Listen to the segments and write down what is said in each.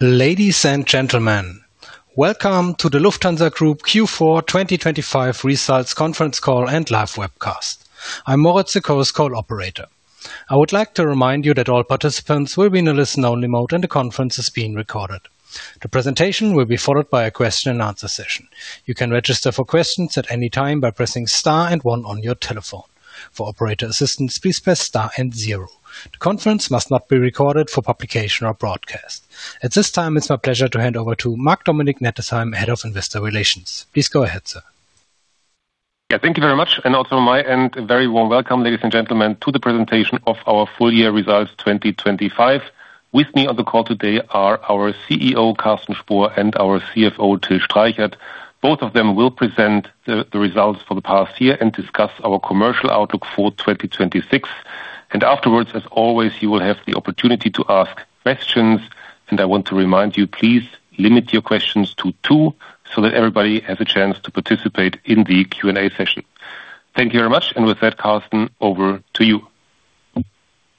Ladies and gentlemen, welcome to the Lufthansa Group Q4 2025 Results Conference Call and Live Webcast. I'm Moritz, the Chorus Call operator. I would like to remind you that all participants will be in a listen-only mode, and the conference is being recorded. The presentation will be followed by a question and answer session. You can register for questions at any time by pressing star one on your telephone. For operator assistance, please press star zero. The conference must not be recorded for publication or broadcast. At this time, it's my pleasure to hand over to Marc-Dominic Nettesheim, Head of Investor Relations. Please go ahead, sir. Thank you very much. Also my end, a very warm welcome, ladies and gentlemen, to the presentation of our full-year results, 2025. With me on the call today are our CEO, Carsten Spohr, and our CFO, Till Streichert. Both of them will present the results for the past year and discuss our commercial outlook for 2026. Afterwards, as always, you will have the opportunity to ask questions, and I want to remind you, please limit your questions to two, so that everybody has a chance to participate in the Q&A session. Thank you very much. With that, Carsten, over to you.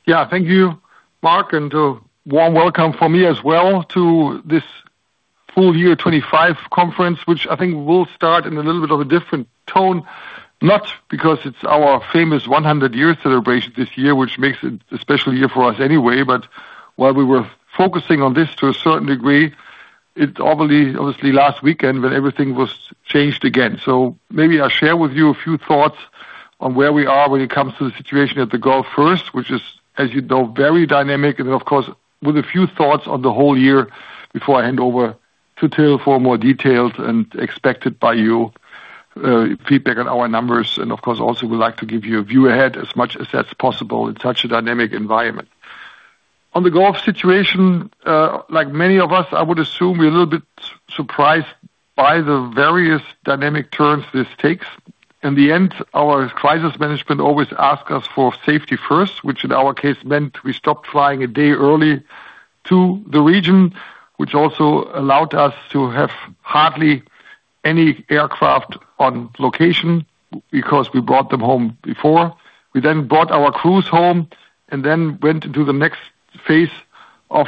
Yeah. Thank you, Marc, and warm welcome from me as well to this full-year 2025 conference, which I think will start in a little bit of a different tone, not because it's our famous 100 year celebration this year, which makes it a special year for us anyway, but while we were focusing on this to a certain degree, it obviously last weekend when everything was changed again. Maybe I'll share with you a few thoughts on where we are when it comes to the situation at the Gulf first, which is, as you know, very dynamic and of course, with a few thoughts on the whole year before I hand over to Till for more details and expected by you, feedback on our numbers. Of course, I also would like to give you a view ahead as much as that's possible in such a dynamic environment. On the Gulf situation, like many of us, I would assume we're a little bit surprised by the various dynamic turns this takes. In the end, our crisis management always ask us for safety first, which in our case meant we stopped flying a day early to the region, which also allowed us to have hardly any aircraft on location because we brought them home before. We then brought our crews home and then went into the next phase of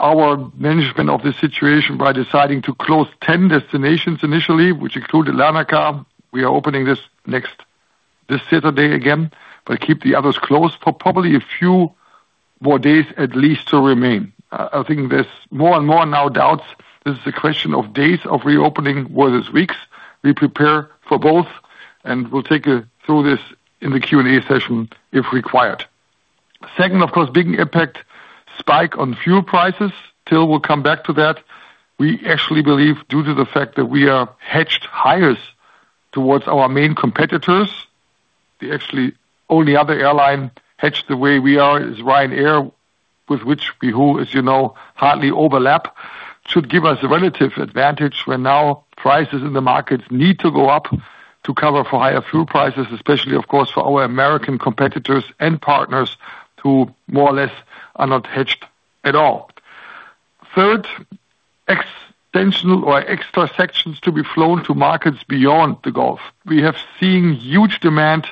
our management of the situation by deciding to close 10 destinations initially, which included Larnaca. We are opening this Saturday again, but keep the others closed for probably a few more days at least to remain. I think there's more and more now doubts this is a question of days of reopening or this weeks. We prepare for both, and we'll take you through this in the Q&A session, if required. Second, of course, big impact spike on fuel prices. Till will come back to that. We actually believe due to the fact that we are hedged highest towards our main competitors, the actually only other airline hedged the way we are is Ryanair, with which we who, as you know, hardly overlap, should give us a relative advantage when now prices in the markets need to go up to cover for higher fuel prices, especially of course, for our American competitors and partners who more or less are not hedged at all. Third, extensional or extra sections to be flown to markets beyond the Gulf. We have seen huge demand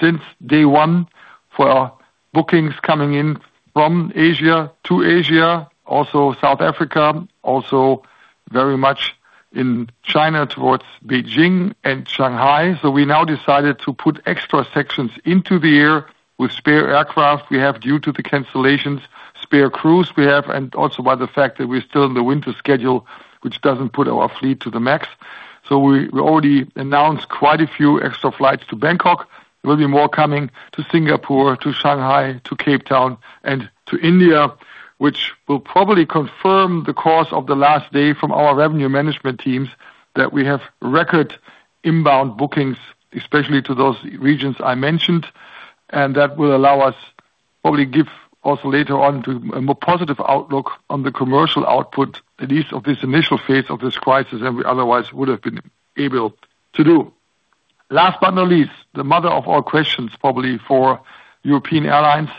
since day one for bookings coming in from Asia to Asia, also South Africa, also very much in China towards Beijing and Shanghai. We now decided to put extra sections into the air with spare aircraft we have due to the cancellations, spare crews we have and also by the fact that we're still in the winter schedule, which doesn't put our fleet to the max. We already announced quite a few extra flights to Bangkok. There will be more coming to Singapore, to Shanghai, to Cape Town and to India, which will probably confirm the course of the last day from our revenue management teams that we have record inbound bookings, especially to those regions I mentioned. That will allow us probably give also later on to a more positive outlook on the commercial output, at least of this initial phase of this crisis than we otherwise would have been able to do. Last but not least, the mother of all questions probably for European airlines,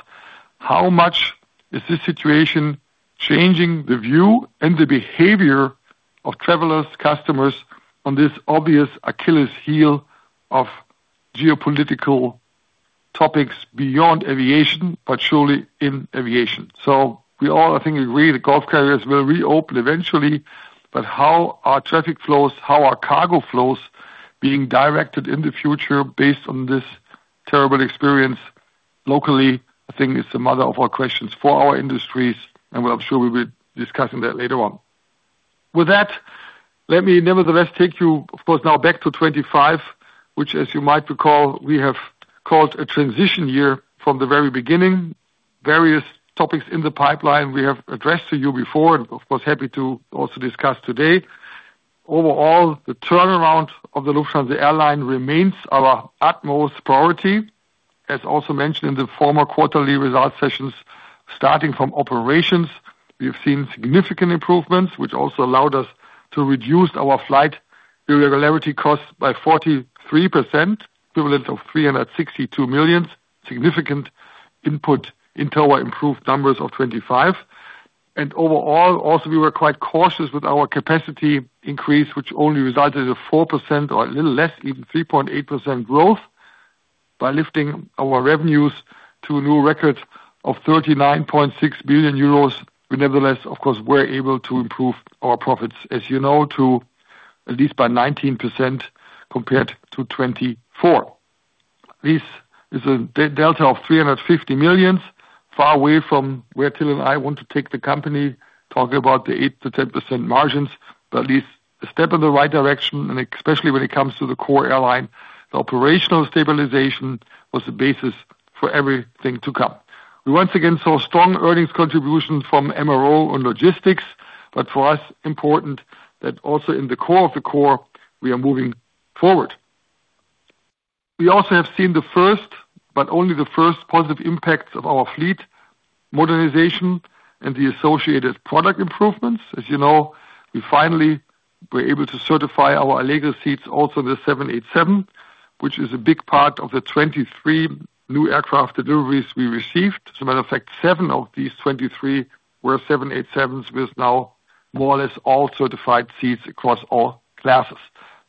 how much is this situation changing the view and the behavior of travelers, customers on this obvious Achilles heel of geopolitical topics beyond aviation, but surely in aviation? We all, I think, agree the Gulf carriers will reopen eventually, but how are traffic flows, how are cargo flows being directed in the future based on this terrible experience locally, I think is the mother of all questions for our industries, and I'm sure we'll be discussing that later on. With that, let me nevertheless take you, of course, now back to 2025, which as you might recall, we have called a transition year from the very beginning. Various topics in the pipeline we have addressed to you before and of course, happy to also discuss today. Overall, the turnaround of the Lufthansa airline remains our utmost priority. As also mentioned in the former quarterly results sessions, starting from operations, we have seen significant improvements, which also allowed us to reduce our flight irregularity costs by 43%, equivalent of 362 million, significant input into our improved numbers of 2025. Overall, also we were quite cautious with our capacity increase, which only resulted in 4% or a little less, even 3.8% growth. By lifting our revenues to new records of 39.6 billion euros, we nevertheless of course were able to improve our profits, as you know, to at least by 19% compared to 2024. This is a delta of 350 million, far away from where Till and I want to take the company, talking about the 8%-10% margins, at least a step in the right direction, and especially when it comes to the core airline, the operational stabilization was the basis for everything to come. We once again saw strong earnings contributions from MRO and logistics, for us important that also in the core of the core, we are moving forward. We also have seen the first, but only the first positive impacts of our fleet modernization and the associated product improvements. As you know, we finally were able to certify our Allegris seats also the 787, which is a big part of the 23 new aircraft deliveries we received. As a matter of fact, seven of these 23 were 787s with now more or less all certified seats across all classes.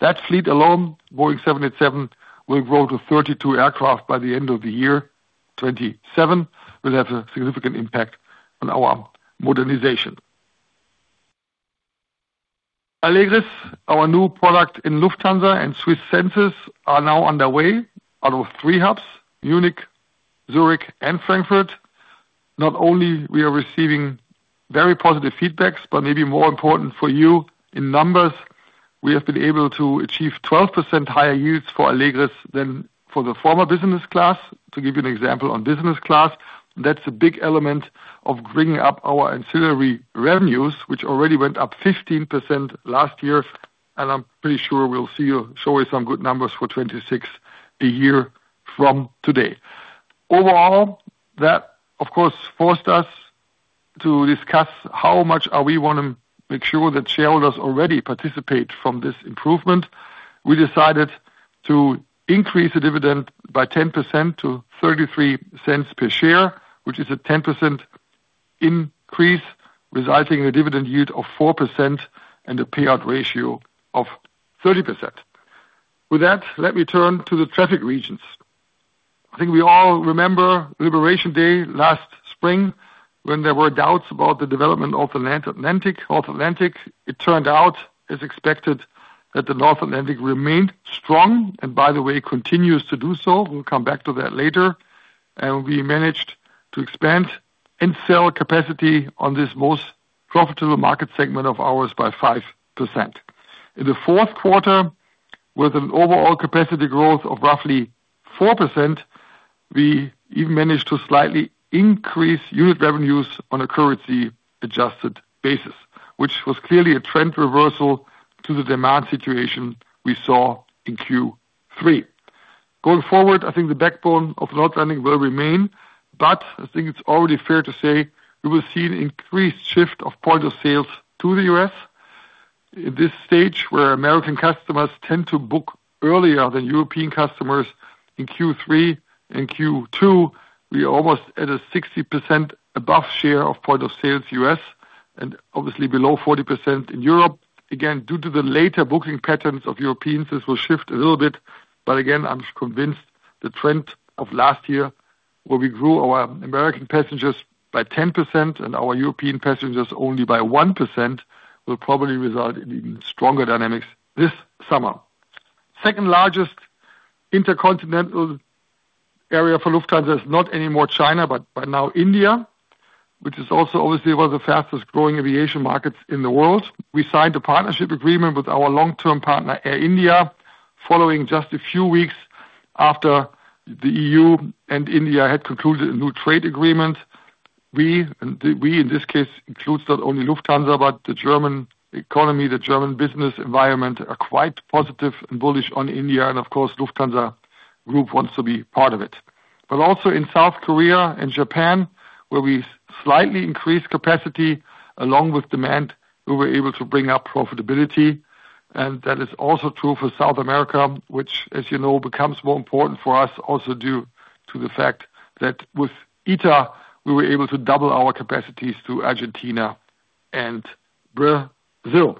That fleet alone, Boeing 787, will grow to 32 aircraft by the end of the year 2027, will have a significant impact on our modernization. Allegris, our new product in Lufthansa and SWISS Senses are now underway out of three hubs, Munich, Zurich and Frankfurt. Not only we are receiving very positive feedbacks, but maybe more important for you in numbers, we have been able to achieve 12% higher yields for Allegris than for the former business class. To give you an example on business class, that's a big element of bringing up our ancillary revenues, which already went up 15% last year. I'm pretty sure we'll see you show you some good numbers for 2026, a year from today. Overall, that of course, forced us to discuss how much are we want to make sure that shareholders already participate from this improvement. We decided to increase the dividend by 10% to 0.33 per share, which is a 10% increase, resulting in a dividend yield of 4% and a payout ratio of 30%. With that, let me turn to the traffic regions. I think we all remember Liberation Day last spring when there were doubts about the development of North Atlantic. It turned out, as expected, that the North Atlantic remained strong and by the way, continues to do so. We'll come back to that later. We managed to expand and sell capacity on this most profitable market segment of ours by 5%. In the fourth quarter, with an overall capacity growth of roughly 4%, we even managed to slightly increase unit revenues on a currency-adjusted basis, which was clearly a trend reversal to the demand situation we saw in Q3. Going forward, I think the backbone of North Atlantic will remain, but I think it's already fair to say we will see an increased shift of point of sales to the U.S. In this stage where American customers tend to book earlier than European customers in Q3 and Q2, we're almost at a 60% above share of point of sales U.S. and obviously below 40% in Europe. Again, due to the later booking patterns of Europeans, this will shift a little bit. Again, I'm convinced the trend of last year, where we grew our American passengers by 10% and our European passengers only by 1%, will probably result in even stronger dynamics this summer. Second largest intercontinental area for Lufthansa is not anymore China, but by now India, which is also obviously one of the fastest growing aviation markets in the world. We signed a partnership agreement with our long-term partner, Air India, following just a few weeks after the EU and India had concluded a new trade agreement. We, in this case includes not only Lufthansa, but the German economy, the German business environment, are quite positive and bullish on India. Of course, Lufthansa Group wants to be part of it. Also in South Korea and Japan, where we slightly increased capacity along with demand, we were able to bring up profitability. That is also true for South America, which, as you know, becomes more important for us also due to the fact that with ITA, we were able to double our capacities to Argentina and Brazil.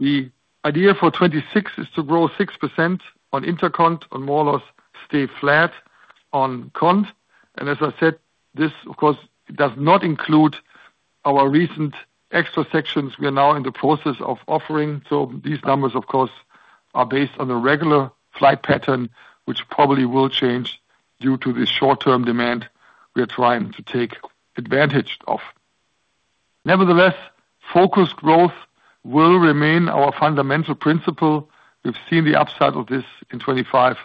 The idea for 2026 is to grow 6% on intercont and more or less stay flat on cont. As I said, this of course, does not include our recent extra sections we are now in the process of offering. These numbers, of course, are based on a regular flight pattern, which probably will change due to the short-term demand we are trying to take advantage of. Nevertheless, focused growth will remain our fundamental principle. We've seen the upside of this in 2025,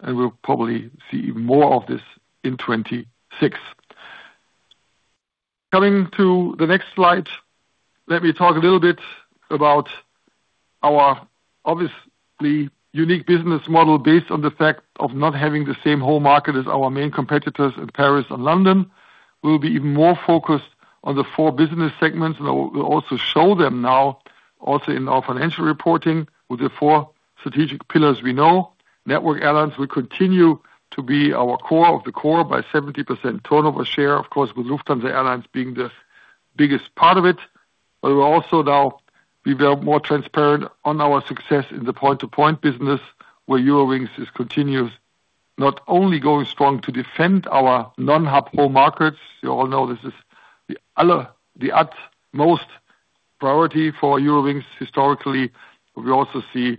and we'll probably see more of this in 2026. Coming to the next slide, let me talk a little bit about our obviously unique business model based on the fact of not having the same home market as our main competitors in Paris and London. We'll be even more focused on the four business segments. We'll also show them now also in our financial reporting with the four strategic pillars we know. Network airlines will continue to be our core of the core by 70% turnover share, of course, with Lufthansa Airlines being the biggest part of it. We will also now be very more transparent on our success in the point-to-point business, where Eurowings is continuous, not only going strong to defend our non-hub core markets. You all know this is the other, the utmost priority for Eurowings historically. We also see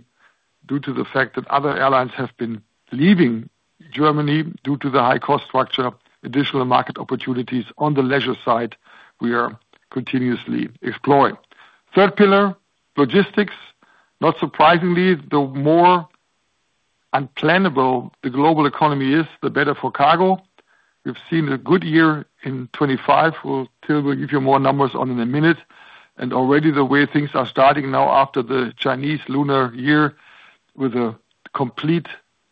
due to the fact that other airlines have been leaving Germany due to the high cost structure, additional market opportunities on the leisure side, we are continuously exploring. Third pillar, logistics. Not surprisingly, the more unplannable the global economy is, the better for cargo. We've seen a good year in 2025. Well, Till, we'll give you more numbers on in a minute. Already the way things are starting now after the Chinese Lunar Year with a complete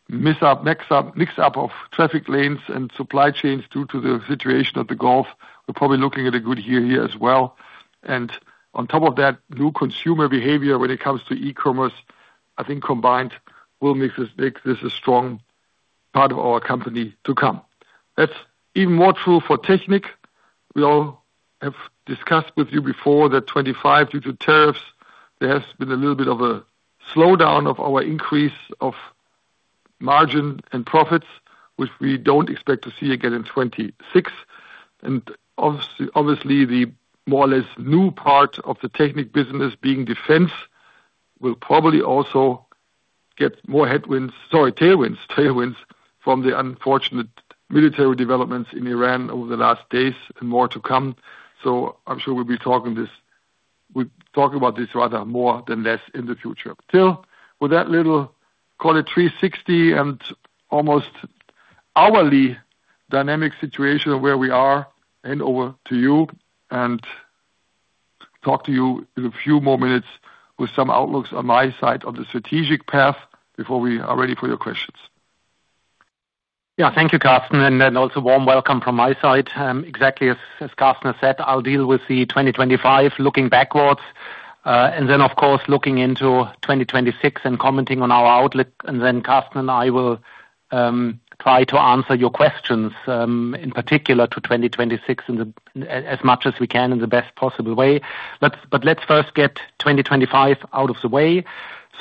mix up of traffic lanes and supply chains due to the situation at the Gulf. We're probably looking at a good year here as well. On top of that, new consumer behavior when it comes to e-commerce, I think combined, will make this a strong part of our company to come. That's even more true for Technik. We all have discussed with you before that 2025, due to tariffs, there has been a little bit of a slowdown of our increase of margin and profits, which we don't expect to see again in 2026. Obviously, the more or less new part of the Technik business being defense, will probably also get more tailwinds from the unfortunate military developments in Iran over the last days and more to come. I'm sure we'll be talking this, we'll talk about this rather more than less in the future. Till, with that little, call it 360 and almost hourly dynamic situation of where we are, hand over to you, and talk to you in a few more minutes with some outlooks on my side of the strategic path before we are ready for your questions. Thank you, Carsten, also warm welcome from my side. Exactly as Carsten has said, I'll deal with the 2025 looking backwards, then of course, looking into 2026 and commenting on our outlook. Carsten and I will try to answer your questions in particular to 2026 as much as we can in the best possible way. Let's first get 2025 out of the way.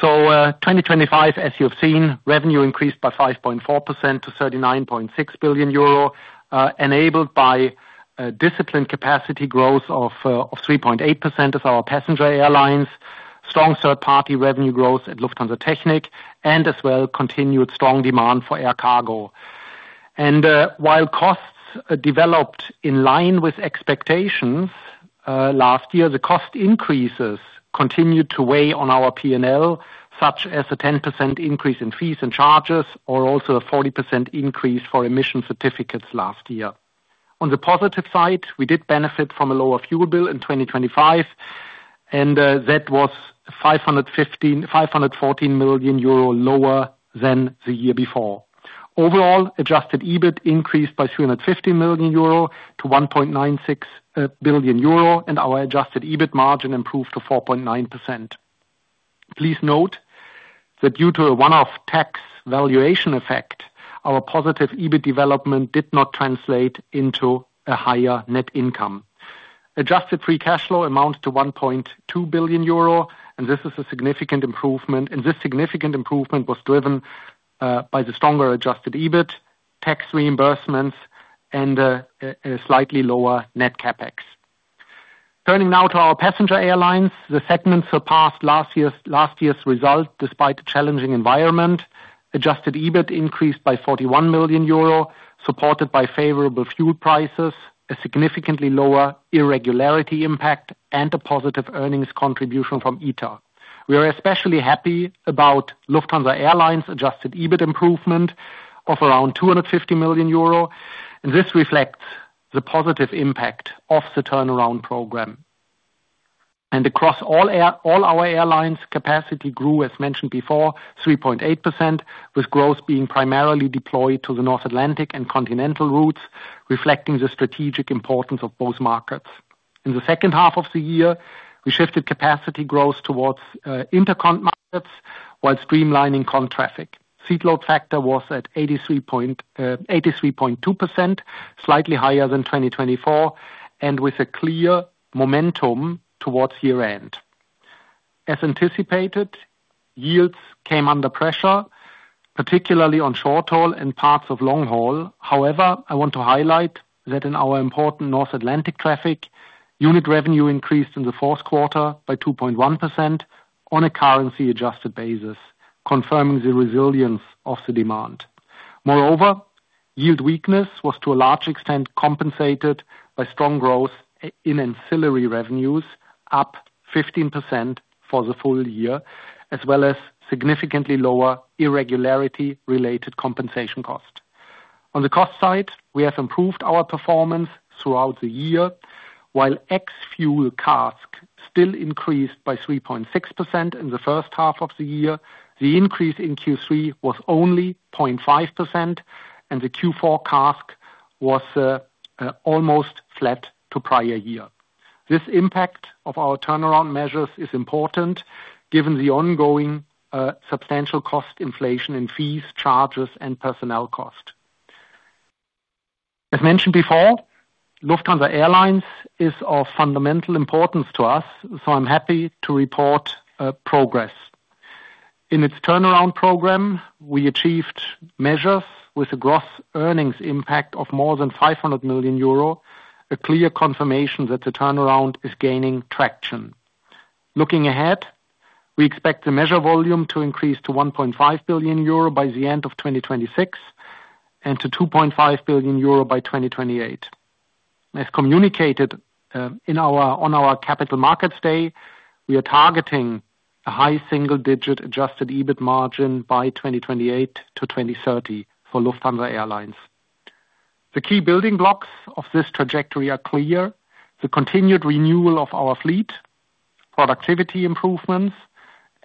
2025, as you've seen, revenue increased by 5.4% to 39.6 billion euro, enabled by disciplined capacity growth of 3.8% of our passenger airlines, strong third-party revenue growth at Lufthansa Technik, continued strong demand for air cargo. While costs developed in line with expectations last year, the cost increases continued to weigh on our P&L, such as a 10% increase in fees and charges or also a 40% increase for emission certificates last year. On the positive side, we did benefit from a lower fuel bill in 2025, that was 514 million euro lower than the year before. Overall, Adjusted EBIT increased by 350 million euro to 1.96 billion euro, and our Adjusted EBIT margin improved to 4.9%. Please note that due to a one-off tax valuation effect, our positive EBIT development did not translate into a higher net income. Adjusted free cash flow amounts to 1.2 billion euro, and this is a significant improvement. This significant improvement was driven by the stronger Adjusted EBIT, tax reimbursements and a slightly lower Net CapEx. Turning now to our passenger airlines, the segments surpassed last year's result despite a challenging environment. Adjusted EBIT increased by EUR 41 million, supported by favorable fuel prices, a significantly lower irregularity impact, and a positive earnings contribution from ITA. We are especially happy about Lufthansa Airlines' Adjusted EBIT improvement of around 250 million euro, this reflects the positive impact of the turnaround program. Across all our airlines, capacity grew, as mentioned before, 3.8%, with growth being primarily deployed to the North Atlantic and continental routes, reflecting the strategic importance of both markets. In the second half of the year, we shifted capacity growth towards intercont markets while streamlining cont traffic. Seat load factor was at 83.2%, slightly higher than 2024, and with a clear momentum towards year-end. As anticipated, yields came under pressure, particularly on short haul and parts of long haul. However, I want to highlight that in our important North Atlantic traffic, unit revenue increased in the fourth quarter by 2.1% on a currency-adjusted basis, confirming the resilience of the demand. Moreover, yield weakness was to a large extent compensated by strong growth in ancillary revenues, up 15% for the full year, as well as significantly lower irregularity-related compensation cost. On the cost side, we have improved our performance throughout the year. While ex-fuel CASK still increased by 3.6% in the first half of the year, the increase in Q3 was only 0.5%, and the Q4 CASK was almost flat to prior year. This impact of our turnaround measures is important given the ongoing substantial cost inflation in fees, charges, and personnel cost. As mentioned before, Lufthansa Airlines is of fundamental importance to us. I'm happy to report progress. In its turnaround program, we achieved measures with a gross earnings impact of more than 500 million euro, a clear confirmation that the turnaround is gaining traction. Looking ahead, we expect the measure volume to increase to 1.5 billion euro by the end of 2026, and to 2.5 billion euro by 2028. As communicated, in our, on our Capital Markets Day, we are targeting a high-single-digit Adjusted EBIT margin by 2028 to 2030 for Lufthansa Airlines. The key building blocks of this trajectory are clear the continued renewal of our fleet, productivity improvements,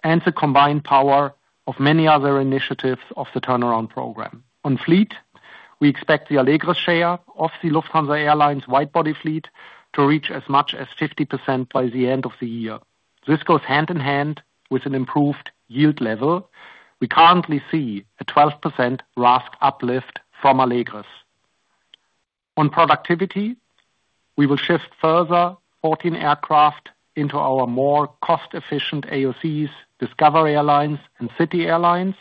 and the combined power of many other initiatives of the turnaround program. On fleet, we expect the Allegris share of the Lufthansa Airlines wide body fleet to reach as much as 50% by the end of the year. This goes hand in hand with an improved yield level. We currently see a 12% RASK uplift from Allegris. On productivity, we will shift further 14 aircraft into our more cost efficient AOCs, Discover Airlines and City Airlines.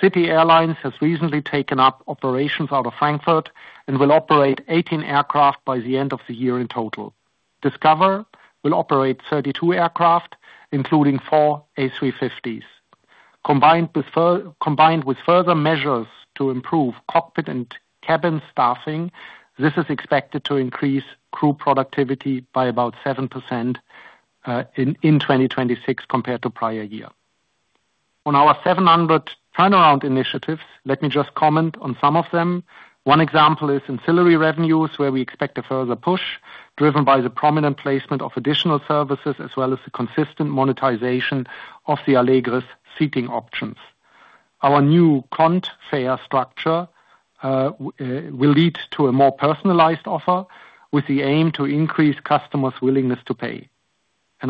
City Airlines has recently taken up operations out of Frankfurt and will operate 18 aircraft by the end of the year in total. Discover will operate 32 aircraft, including four A350s. Combined with further measures to improve cockpit and cabin staffing, this is expected to increase crew productivity by about 7% in 2026 compared to prior year. On our 700 turnaround initiatives, let me just comment on some of them. One example is ancillary revenues, where we expect a further push driven by the prominent placement of additional services, as well as the consistent monetization of the Allegris seating options. Our new cont fare structure will lead to a more personalized offer with the aim to increase customers' willingness to pay.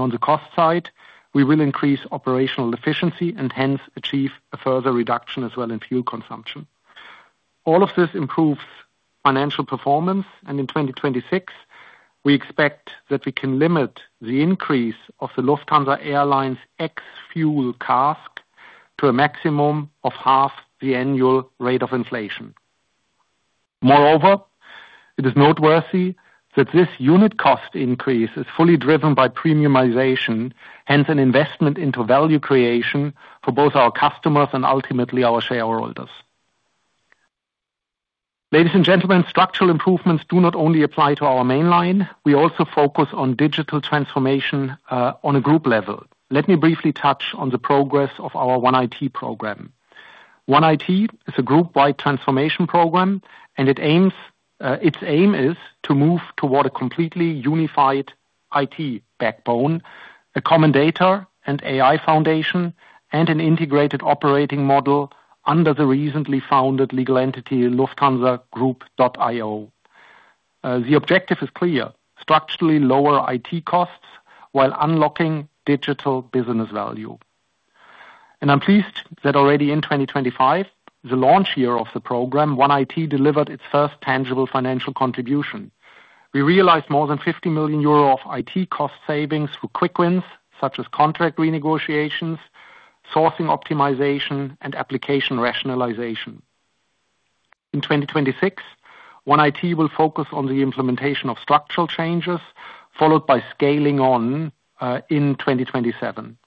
On the cost side, we will increase operational efficiency and hence achieve a further reduction as well in fuel consumption. All of this improves financial performance, and in 2026, we expect that we can limit the increase of the Lufthansa Airlines ex-fuel CASK to a maximum of half the annual rate of inflation. Moreover, it is noteworthy that this unit cost increase is fully driven by premiumization, hence an investment into value creation for both our customers and ultimately our shareholders. Ladies and gentlemen, structural improvements do not only apply to our main line, we also focus on digital transformation on a group level. Let me briefly touch on the progress of our OneIT program. OneIT is a group-wide transformation program, and it aims, its aim is to move toward a completely unified IT backbone, a common data and AI foundation, and an integrated operating model under the recently founded legal entity, lufthansagroup.io. The objective is clear. Structurally lower IT costs while unlocking digital business value. I'm pleased that already in 2025, the launch year of the program, OneIT delivered its first tangible financial contribution. We realized more than 50 million euro of IT cost savings through quick wins such as contract renegotiations, sourcing optimization, and application rationalization. In 2026, OneIT will focus on the implementation of structural changes, followed by scaling on in 2027.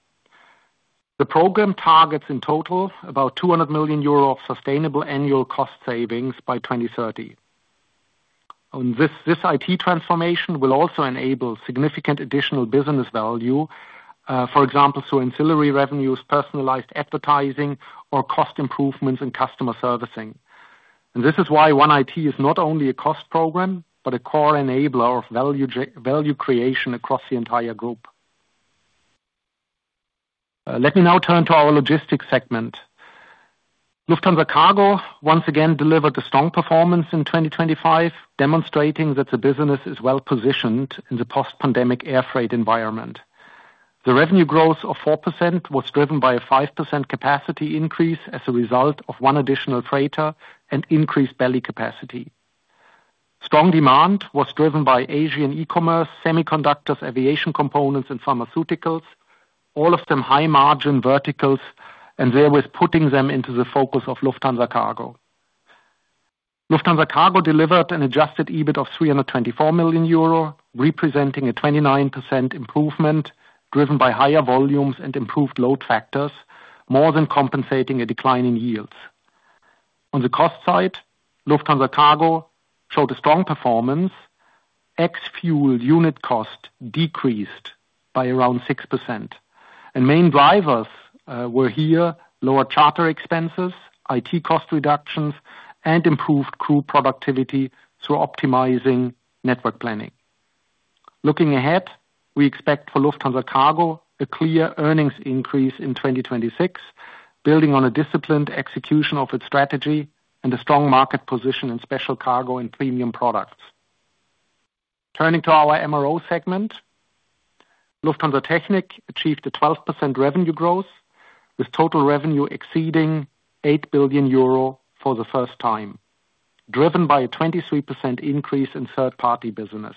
The program targets in total about 200 million euro of sustainable annual cost savings by 2030. This IT transformation will also enable significant additional business value, for example, through ancillary revenues, personalized advertising or cost improvements in customer servicing. This is why OneIT is not only a cost program, but a core enabler of value creation across the entire group. Let me now turn to our logistics segment. Lufthansa Cargo once again delivered a strong performance in 2025, demonstrating that the business is well-positioned in the post-pandemic air freight environment. The revenue growth of 4% was driven by a 5% capacity increase as a result of one additional freighter and increased belly capacity. Strong demand was driven by Asian e-commerce, semiconductors, aviation components and pharmaceuticals, all of them high margin verticals, and therewith putting them into the focus of Lufthansa Cargo. Lufthansa Cargo delivered an Adjusted EBIT of 324 million euro, representing a 29% improvement driven by higher volumes and improved load factors, more than compensating a decline in yields. On the cost side, Lufthansa Cargo showed a strong performance. Ex-fuel unit cost decreased by around 6% and main drivers were here lower charter expenses, IT cost reductions, and improved crew productivity through optimizing network planning. Looking ahead, we expect for Lufthansa Cargo a clear earnings increase in 2026, building on a disciplined execution of its strategy and a strong market position in special cargo and premium products. Turning to our MRO segment, Lufthansa Technik achieved a 12% revenue growth with total revenue exceeding 8 billion euro for the first time, driven by a 23% increase in third-party business.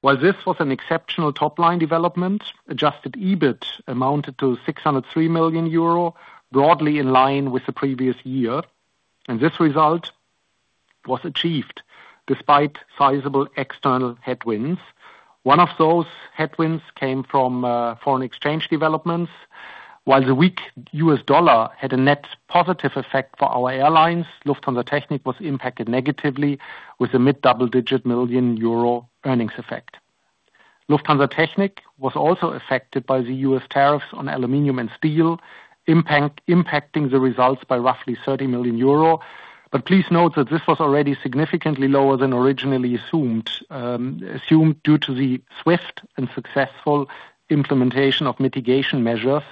While this was an exceptional top-line development, Adjusted EBIT amounted to 603 million euro, broadly in line with the previous year. This result was achieved despite sizable external headwinds. One of those headwinds came from foreign exchange developments. While the weak U.S. dollar had a net positive effect for our airlines, Lufthansa Technik was impacted negatively with a mid-double-digit million euro earnings effect. Lufthansa Technik was also affected by the U.S. tariffs on aluminum and steel, impacting the results by roughly 30 million euro. Please note that this was already significantly lower than originally assumed due to the swift and successful implementation of mitigation measures.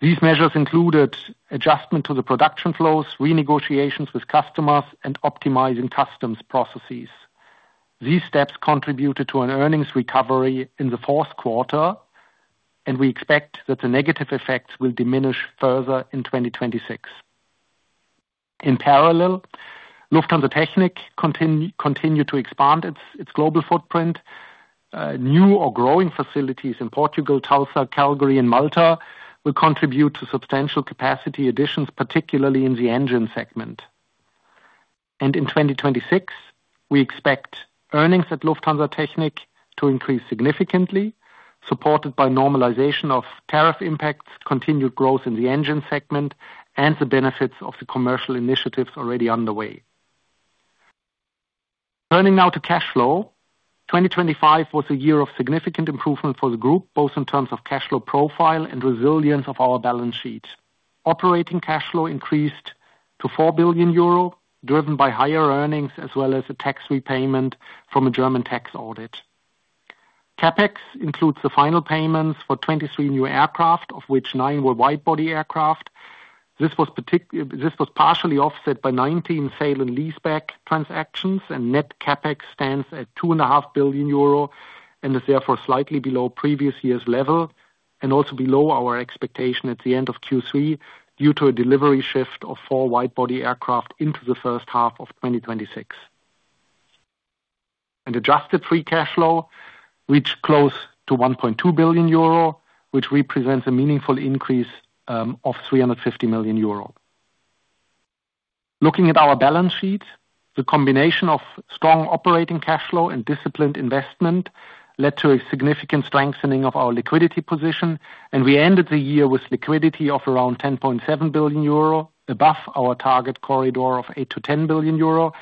These measures included adjustment to the production flows, renegotiations with customers, and optimizing customs processes. These steps contributed to an earnings recovery in the fourth quarter. We expect that the negative effects will diminish further in 2026. In parallel, Lufthansa Technik continue to expand its global footprint. New or growing facilities in Portugal, Tulsa, Calgary, and Malta will contribute to substantial capacity additions, particularly in the engine segment. In 2026, we expect earnings at Lufthansa Technik to increase significantly, supported by normalization of tariff impacts, continued growth in the engine segment, and the benefits of the commercial initiatives already underway. Turning now to cash flow. 2025 was a year of significant improvement for the group, both in terms of cash flow profile and resilience of our balance sheet. Operating cash flow increased to 4 billion euro, driven by higher earnings as well as a tax repayment from a German tax audit. CapEx includes the final payments for 23 new aircraft, of which nine were wide body aircraft. This was partially offset by 19 sale and leaseback transactions. Net CapEx stands at 2.5 billion euro and is therefore slightly below previous year's level and also below our expectation at the end of Q3 due to a delivery shift of four wide-body aircraft into the first half of 2026. Adjusted free cash flow reached close to 1.2 billion euro, which represents a meaningful increase of 350 million euro. Looking at our balance sheet, the combination of strong operating cash flow and disciplined investment led to a significant strengthening of our liquidity position. We ended the year with liquidity of around 10.7 billion euro above our target corridor of 8 billion-10 billion euro.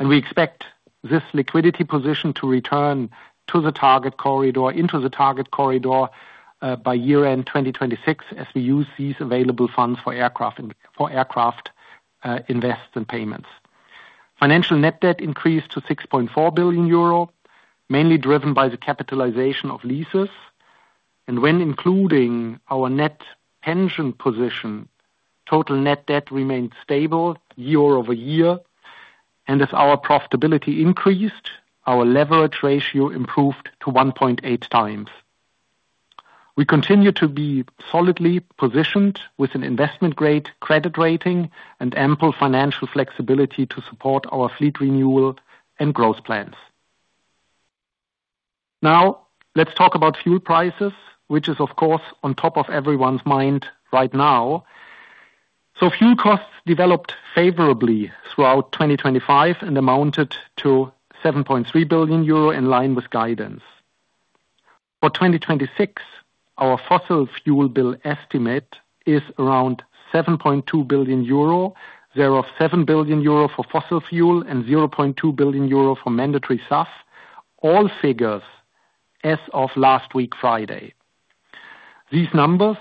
We expect this liquidity position to return to the target corridor, into the target corridor, by year end, 2026, as we use these available funds for aircraft, invests and payments. Financial net debt increased to 6.4 billion euro, mainly driven by the capitalization of leases. When including our net pension position, total net debt remained stable year-over-year. As our profitability increased, our leverage ratio improved to 1.8x. We continue to be solidly positioned with an investment-grade credit rating and ample financial flexibility to support our fleet renewal and growth plans. Now let's talk about fuel prices, which is of course on top of everyone's mind right now. Fuel costs developed favorably throughout 2025 and amounted to 7.3 billion euro in line with guidance. For 2026, our fossil fuel bill estimate is around 7.2 billion euro. There are 7 billion euro for fossil fuel and 0.2 billion euro for mandatory SAF, all figures as of last week, Friday. These numbers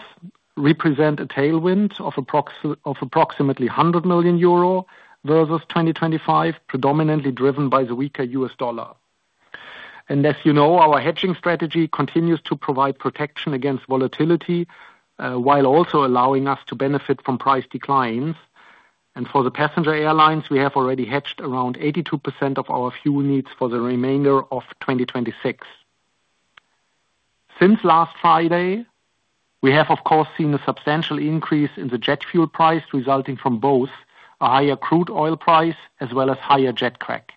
represent a tailwind of approximately 100 million euro versus 2025, predominantly driven by the weaker U.S. dollar. As you know, our hedging strategy continues to provide protection against volatility, while also allowing us to benefit from price declines. For the passenger airlines, we have already hedged around 82% of our fuel needs for the remainder of 2026. Since last Friday, we have of course seen a substantial increase in the jet fuel price, resulting from both a higher crude oil price as well as higher jet crack.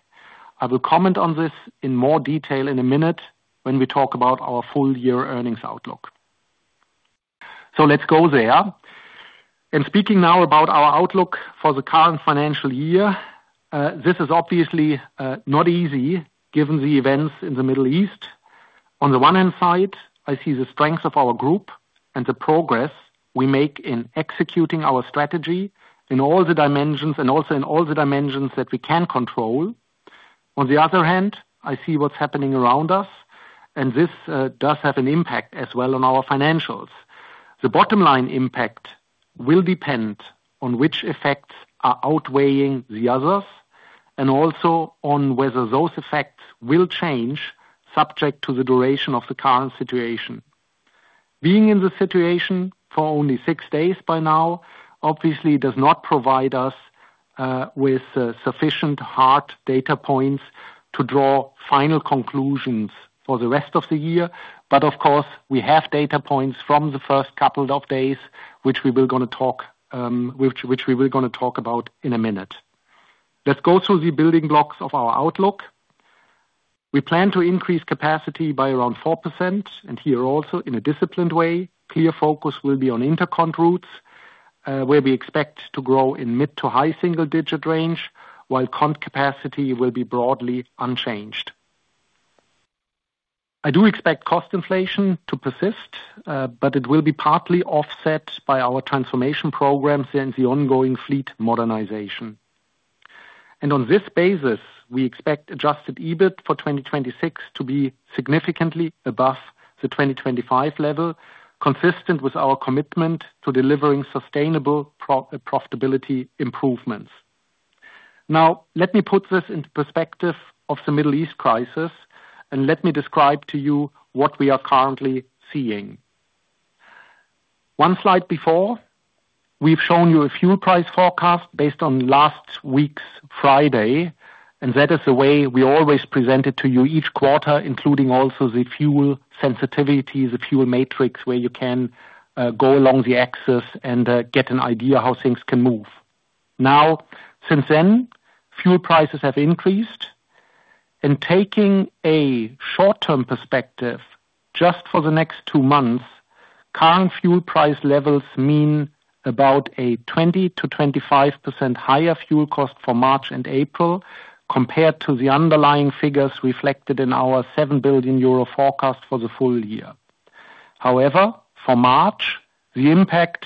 I will comment on this in more detail in a minute when we talk about our full year earnings outlook. Let's go there. In speaking now about our outlook for the current financial year, this is obviously not easy given the events in the Middle East. On the one hand side, I see the strength of our group and the progress we make in executing our strategy in all the dimensions and also in all the dimensions that we can control. On the other hand, I see what's happening around us, and this does have an impact as well on our financials. The bottom line impact will depend on which effects are outweighing the others and also on whether those effects will change subject to the duration of the current situation. Being in the situation for only six days by now, obviously does not provide us with sufficient hard data points to draw final conclusions for the rest of the year. Of course, we have data points from the first couple of days, which we will gonna talk about in a minute. Let's go through the building blocks of our outlook. We plan to increase capacity by around 4%, and here also in a disciplined way. Clear focus will be on intercont routes, where we expect to grow in mid to high-single-digit range, while cont capacity will be broadly unchanged. I do expect cost inflation to persist, but it will be partly offset by our transformation programs and the ongoing fleet modernization. On this basis, we expect Adjusted EBIT for 2026 to be significantly above the 2025 level, consistent with our commitment to delivering sustainable pro-profitability improvements. Now, let me put this into perspective of the Middle East crisis and let me describe to you what we are currently seeing. One slide before, we've shown you a fuel price forecast based on last week's Friday, and that is the way we always present it to you each quarter, including also the fuel sensitivity, the fuel matrix, where you can go along the axis and get an idea how things can move. Since then, fuel prices have increased, taking a short-term perspective just for the next two months, current fuel price levels mean about a 20%-25% higher fuel cost for March and April compared to the underlying figures reflected in our 7 billion euro forecast for the full year. For March, the impact,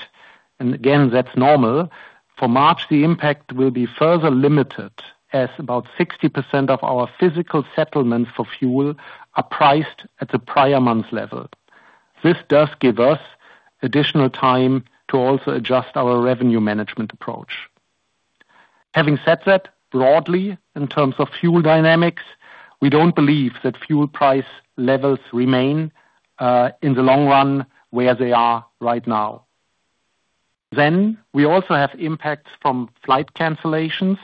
and again that's normal, for March, the impact will be further limited as about 60% of our physical settlements for fuel are priced at the prior month level. This does give us additional time to also adjust our revenue management approach. Having said that, broadly, in terms of fuel dynamics, we don't believe that fuel price levels remain in the long run where they are right now. We also have impacts from flight cancellations.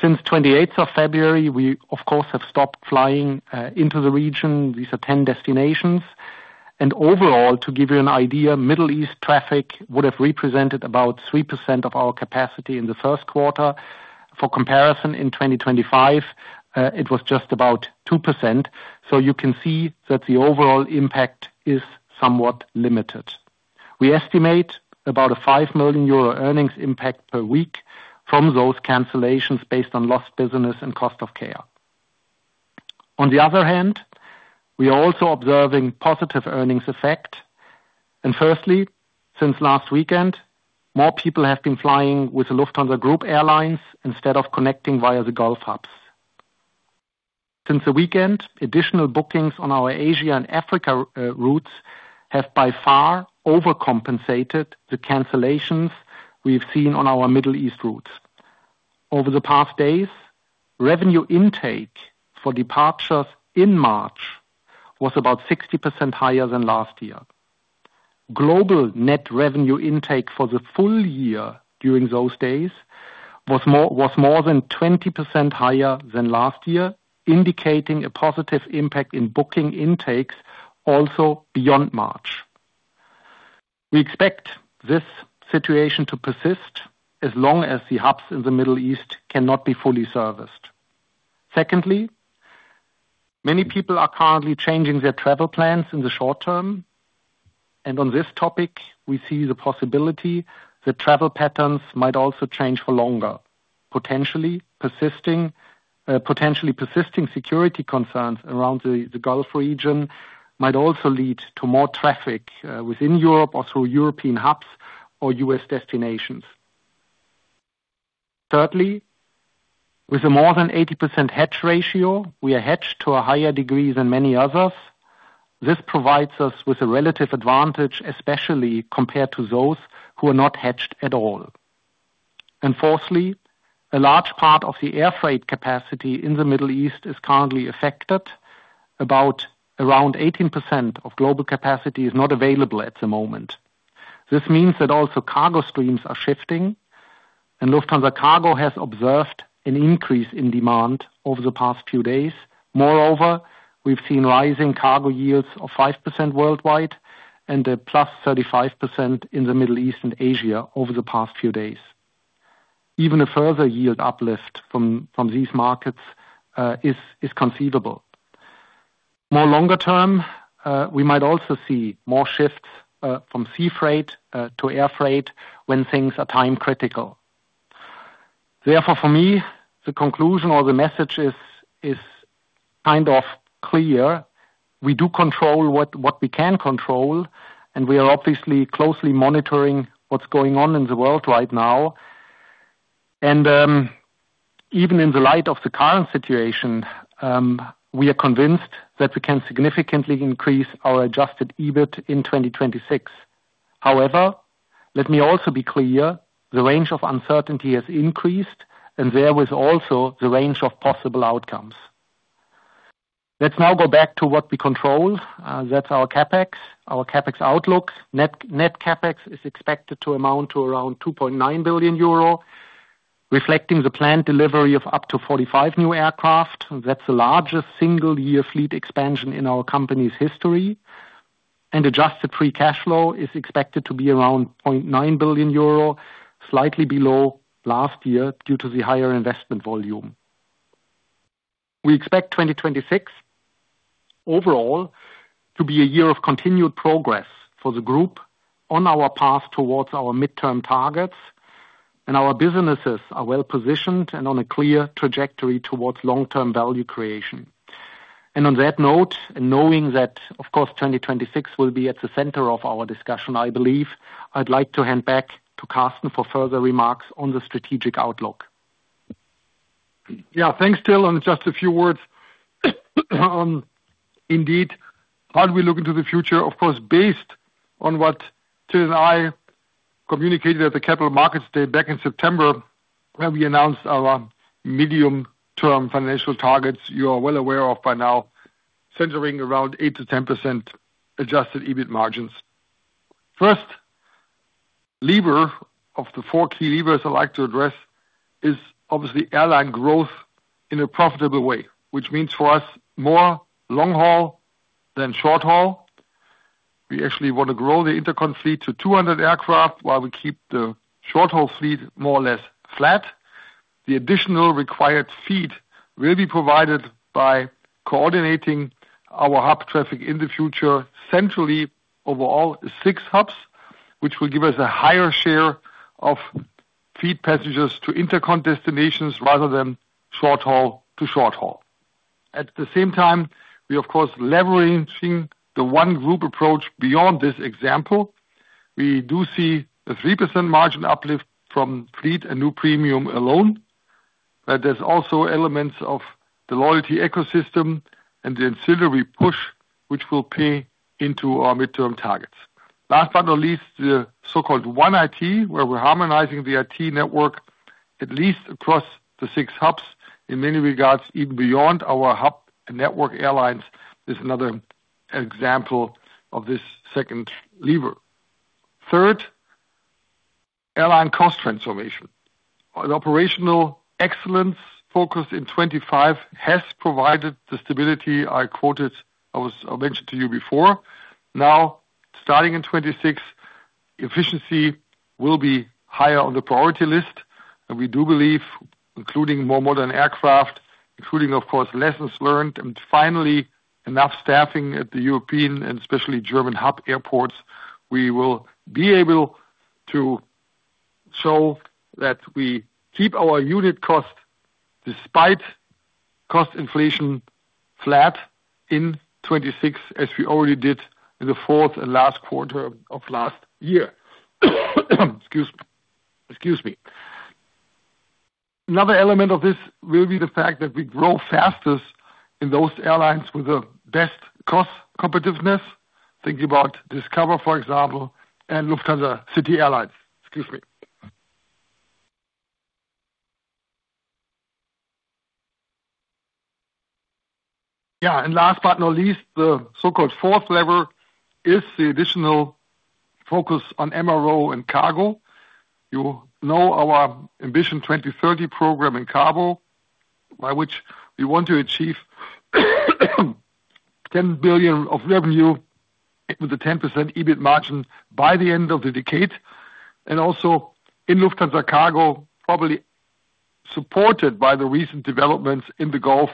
Since 28th of February, we of course have stopped flying into the region. These are 10 destinations. Overall, to give you an idea, Middle East traffic would have represented about 3% of our capacity in the first quarter. For comparison, in 2025, it was just about 2%. You can see that the overall impact is somewhat limited. We estimate about a 5 million euro earnings impact per week from those cancellations based on lost business and cost of care. On the other hand, we are also observing positive earnings effect. Firstly, since last weekend, more people have been flying with Lufthansa Group Airlines instead of connecting via the Gulf hubs. Since the weekend, additional bookings on our Asia and Africa routes have by far overcompensated the cancellations we've seen on our Middle East routes. Over the past days, revenue intake for departures in March was about 60% higher than last year. Global net revenue intake for the full year during those days was more than 20% higher than last year, indicating a positive impact in booking intakes also beyond March. We expect this situation to persist as long as the hubs in the Middle East cannot be fully serviced. Secondly, many people are currently changing their travel plans in the short term, and on this topic, we see the possibility that travel patterns might also change for longer. Potentially persisting security concerns around the Gulf region might also lead to more traffic within Europe or through European hubs or U.S. destinations. Thirdly, with a more than 80% hedge ratio, we are hedged to a higher degree than many others. This provides us with a relative advantage, especially compared to those who are not hedged at all. Fourthly, a large part of the air freight capacity in the Middle East is currently affected. About around 18% of global capacity is not available at the moment. This means that also cargo streams are shifting, and Lufthansa Cargo has observed an increase in demand over the past few days. Moreover, we've seen rising cargo yields of 5% worldwide and +35% in the Middle East and Asia over the past few days. Even a further yield uplift from these markets is conceivable. More longer term, we might also see more shifts from sea freight to air freight when things are time critical. For me, the conclusion or the message is kind of clear. We do control what we can control, and we are obviously closely monitoring what's going on in the world right now. Even in the light of the current situation, we are convinced that we can significantly increase our Adjusted EBIT in 2026. However, let me also be clear, the range of uncertainty has increased and there is also the range of possible outcomes. Let's now go back to what we control, that's our CapEx, our CapEx outlook. Net CapEx is expected to amount to around 2.9 billion euro, reflecting the planned delivery of up to 45 new aircraft. That's the largest single year fleet expansion in our company's history. Adjusted free cash flow is expected to be around 0.9 billion euro, slightly below last year due to the higher investment volume. We expect 2026 overall to be a year of continued progress for the group on our path towards our midterm targets. Our businesses are well-positioned and on a clear trajectory towards long-term value creation. On that note, and knowing that, of course, 2026 will be at the center of our discussion, I believe I'd like to hand back to Carsten for further remarks on the strategic outlook. Thanks Till, just a few words. How do we look into the future? Of course, based on what Till and I communicated at the Capital Markets Day back in September, when we announced our medium-term financial targets you are well aware of by now, centering around 8%-10% Adjusted EBIT margins. First lever of the four key levers I'd like to address is obviously airline growth in a profitable way, which means for us, more long haul than short haul. We actually want to grow the intercont fleet to 200 aircraft while we keep the short-haul fleet more or less flat. The additional required fleet will be provided by coordinating our hub traffic in the future centrally over all six hubs, which will give us a higher share of fleet passengers to intercont destinations rather than short haul to short haul. At the same time, we are, of course, leveraging the one group approach beyond this example. We do see a 3% margin uplift from fleet and new premium alone, but there's also elements of the loyalty ecosystem and the ancillary push, which will pay into our midterm targets. Last but not least, the so-called OneIT, where we're harmonizing the IT network, at least across the six hubs. In many regards, even beyond our hub network airlines is another example of this second lever. Third, airline cost transformation. An operational excellence focus in 2025 has provided the stability I quoted or I mentioned to you before. Starting in 2026, efficiency will be higher on the priority list. We do believe, including more modern aircraft, including, of course, lessons learned, and finally, enough staffing at the European and especially German hub airports, we will be able to show that we keep our unit cost despite cost inflation flat in 2026, as we already did in the fourth and last quarter of last year. Excuse me. Another element of this will be the fact that we grow fastest in those airlines with the best cost competitiveness. Think about Discover, for example, and Lufthansa City Airlines. Excuse me. Last but not least, the so-called fourth lever is the additional focus on MRO and Cargo. You know our Ambition 2030 program in Cargo, by which we want to achieve 10 billion of revenue with a 10% EBIT margin by the end of the decade. Also in Lufthansa Cargo, probably supported by the recent developments in the Gulf,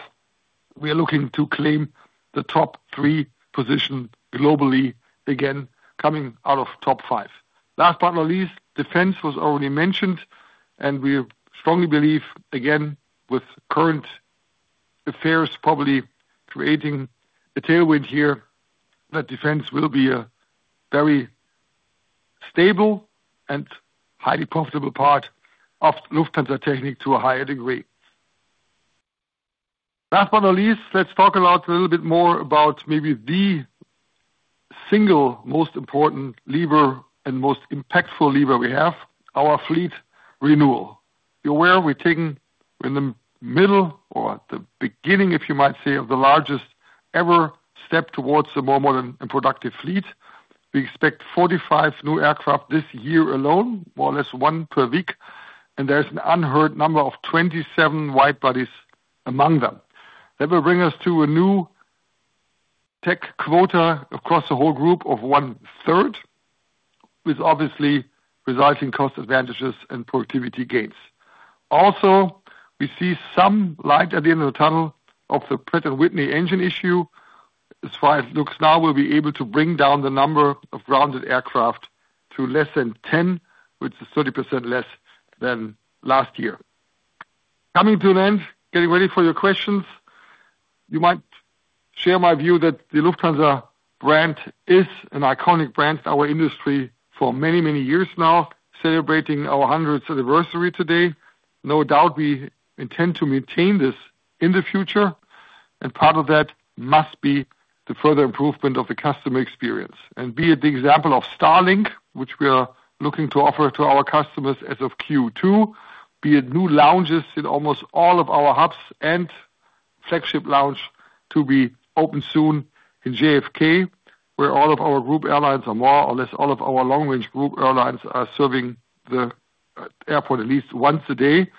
we are looking to claim the top three position globally again, coming out of top five. Last but not least, defense was already mentioned, we strongly believe, again, with current affairs probably creating a tailwind here, that defense will be a very stable and highly profitable part of Lufthansa Technik to a higher degree. Last but not least, let's talk about a little bit more about maybe the single most important lever and most impactful lever we have, our fleet renewal. You're aware we're taking in the middle or at the beginning, if you might say, of the largest ever step towards a more modern and productive fleet. We expect 45 new aircraft this year alone, more or less 1 per week. There's an unheard number of 27 wide bodies among them. That will bring us to a new tech quota across the whole group of one-third, with obviously resulting cost advantages and productivity gains. We see some light at the end of the tunnel of the Pratt & Whitney engine issue. As far as it looks now, we'll be able to bring down the number of grounded aircraft to less than 10, which is 30% less than last year. Coming to an end, getting ready for your questions. You might share my view that the Lufthansa brand is an iconic brand in our industry for many, many years now, celebrating our 100th anniversary today. No doubt we intend to maintain this in the future, and part of that must be the further improvement of the customer experience. Be it the example of Starlink, which we are looking to offer to our customers as of Q2. Be it new lounges in almost all of our hubs and flagship lounge to be open soon in JFK, where all of our group airlines are more or less all of our long-range group airlines are serving the airport at least once a day.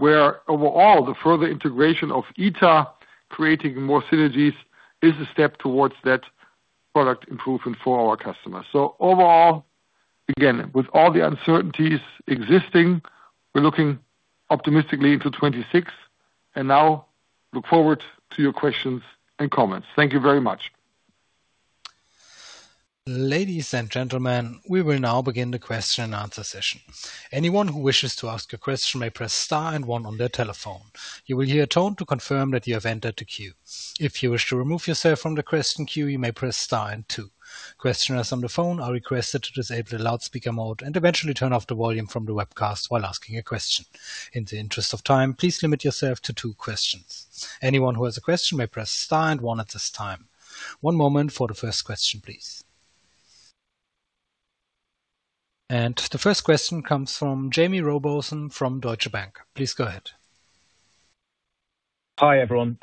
Overall, the further integration of ITA creating more synergies is a step towards that product improvement for our customers. Overall, again, with all the uncertainties existing, we're looking optimistically into 2026, and now look forward to your questions and comments. Thank you very much. Ladies and gentlemen, we will now begin the question-and-answer session. Anyone who wishes to ask a question may press star one on their telephone. You will hear a tone to confirm that you have entered the queue. If you wish to remove yourself from the question queue, you may press star two. Questioners on the phone are requested to disable the loudspeaker mode and eventually turn off the volume from the webcast while asking a question. In the interest of time, please limit yourself to two questions. Anyone who has a question may press star one at this time. One moment for the first question, please. The first question comes from Jaime Rowbotham from Deutsche Bank. Please go ahead. Hi, everyone.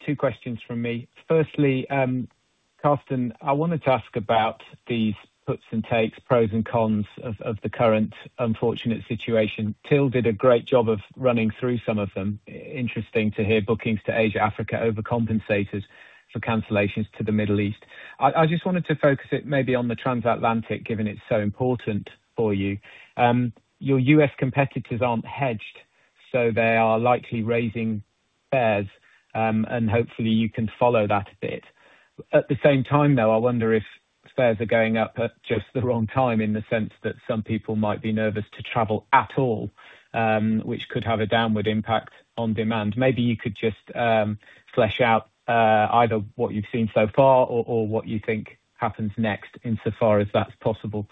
Two questions from me. Firstly, Carsten, I wanted to ask about these puts and takes, pros and cons of the current unfortunate situation. Till did a great job of running through some of them. Interesting to hear bookings to Asia, Africa overcompensators for cancellations to the Middle East. I just wanted to focus it maybe on the Transatlantic, given it's so important for you. Your U.S. competitors aren't hedged. They are likely raising fares, and hopefully you can follow that a bit. At the same time, though, I wonder if fares are going up at just the wrong time in the sense that some people might be nervous to travel at all, which could have a downward impact on demand. Maybe you could just flesh out either what you've seen so far or what you think happens next insofar as that's possible.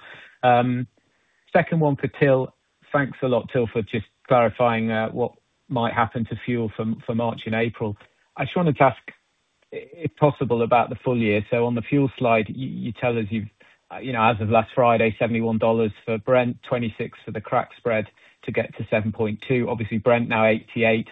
Second one for Till. Thanks a lot, Till, for just clarifying what might happen to fuel for March and April. I just wanted to ask if possible about the full year. On the fuel slide, you tell us you've, you know, as of last Friday, $71 for Brent, $26 for the crack spread to get to $7.2/MMBtu. Obviously, Brent now $88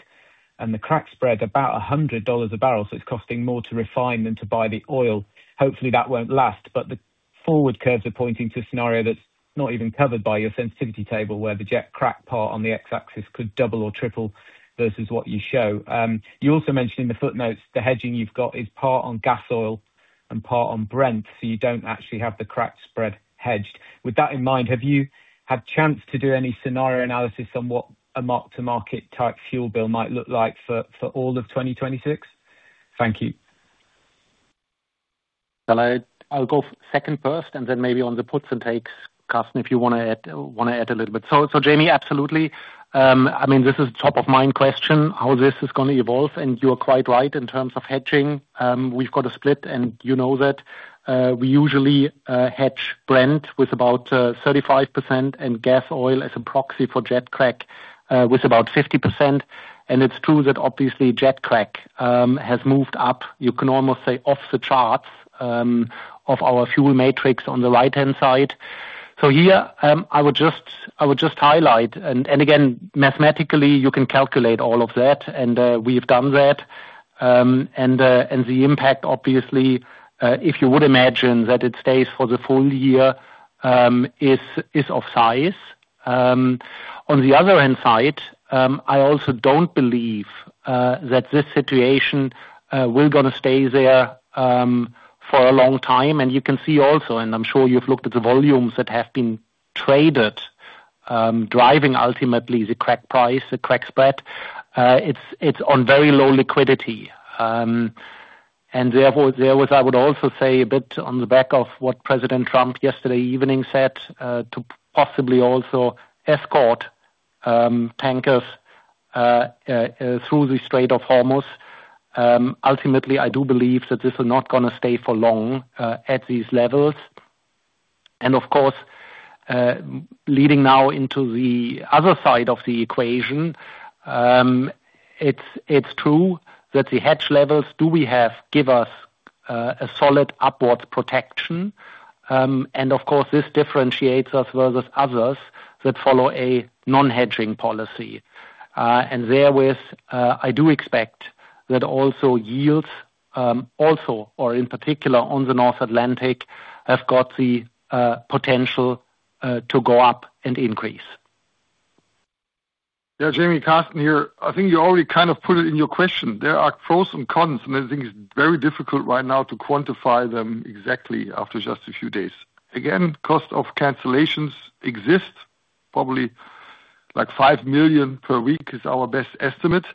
and the crack spread about $100/bbl, so it's costing more to refine than to buy the oil. Hopefully, that won't last, the forward curves are pointing to a scenario that's not even covered by your sensitivity table where the jet crack part on the X-axis could double or triple versus what you show. You also mentioned in the footnotes the hedging you've got is part on gas oil and part on Brent, so you don't actually have the crack spread hedged. With that in mind, have you had chance to do any scenario analysis on what a mark-to-market type fuel bill might look like for all of 2026? Thank you. Well, I'll go second first and then maybe on the puts and takes, Carsten, if you wanna add a little bit. Jamie, absolutely. I mean, this is top of mind question, how this is gonna evolve, and you are quite right in terms of hedging. We've got a split and you know that we usually hedge Brent with about 35% and gas oil as a proxy for jet crack with about 50%. It's true that obviously jet crack has moved up, you can almost say off the charts of our fuel matrix on the right-hand side. Here, I would just highlight and again, mathematically you can calculate all of that and we have done that. The impact obviously, if you would imagine that it stays for the full year, is of size. On the other hand side, I also don't believe that this situation will gonna stay there for a long time. You can see also, and I'm sure you've looked at the volumes that have been traded, driving ultimately the crack price, the crack spread. It's on very low liquidity. Therefore, there was, I would also say a bit on the back of what President Trump yesterday evening said, to possibly also escort tankers through the Strait of Hormuz. Ultimately, I do believe that this is not gonna stay for long at these levels. Leading now into the other side of the equation, it's true that the hedge levels do we have give us a solid upwards protection. This differentiates us versus others that follow a non-hedging policy. I do expect that also yields also or in particular on the North Atlantic has got the potential to go up and increase. Yeah, Jaime, Carsten here. I think you already kind of put it in your question. There are pros and cons, and I think it's very difficult right now to quantify them exactly after just a few days. Again, cost of cancellations exist, probably like 5 million per week is our best estimate.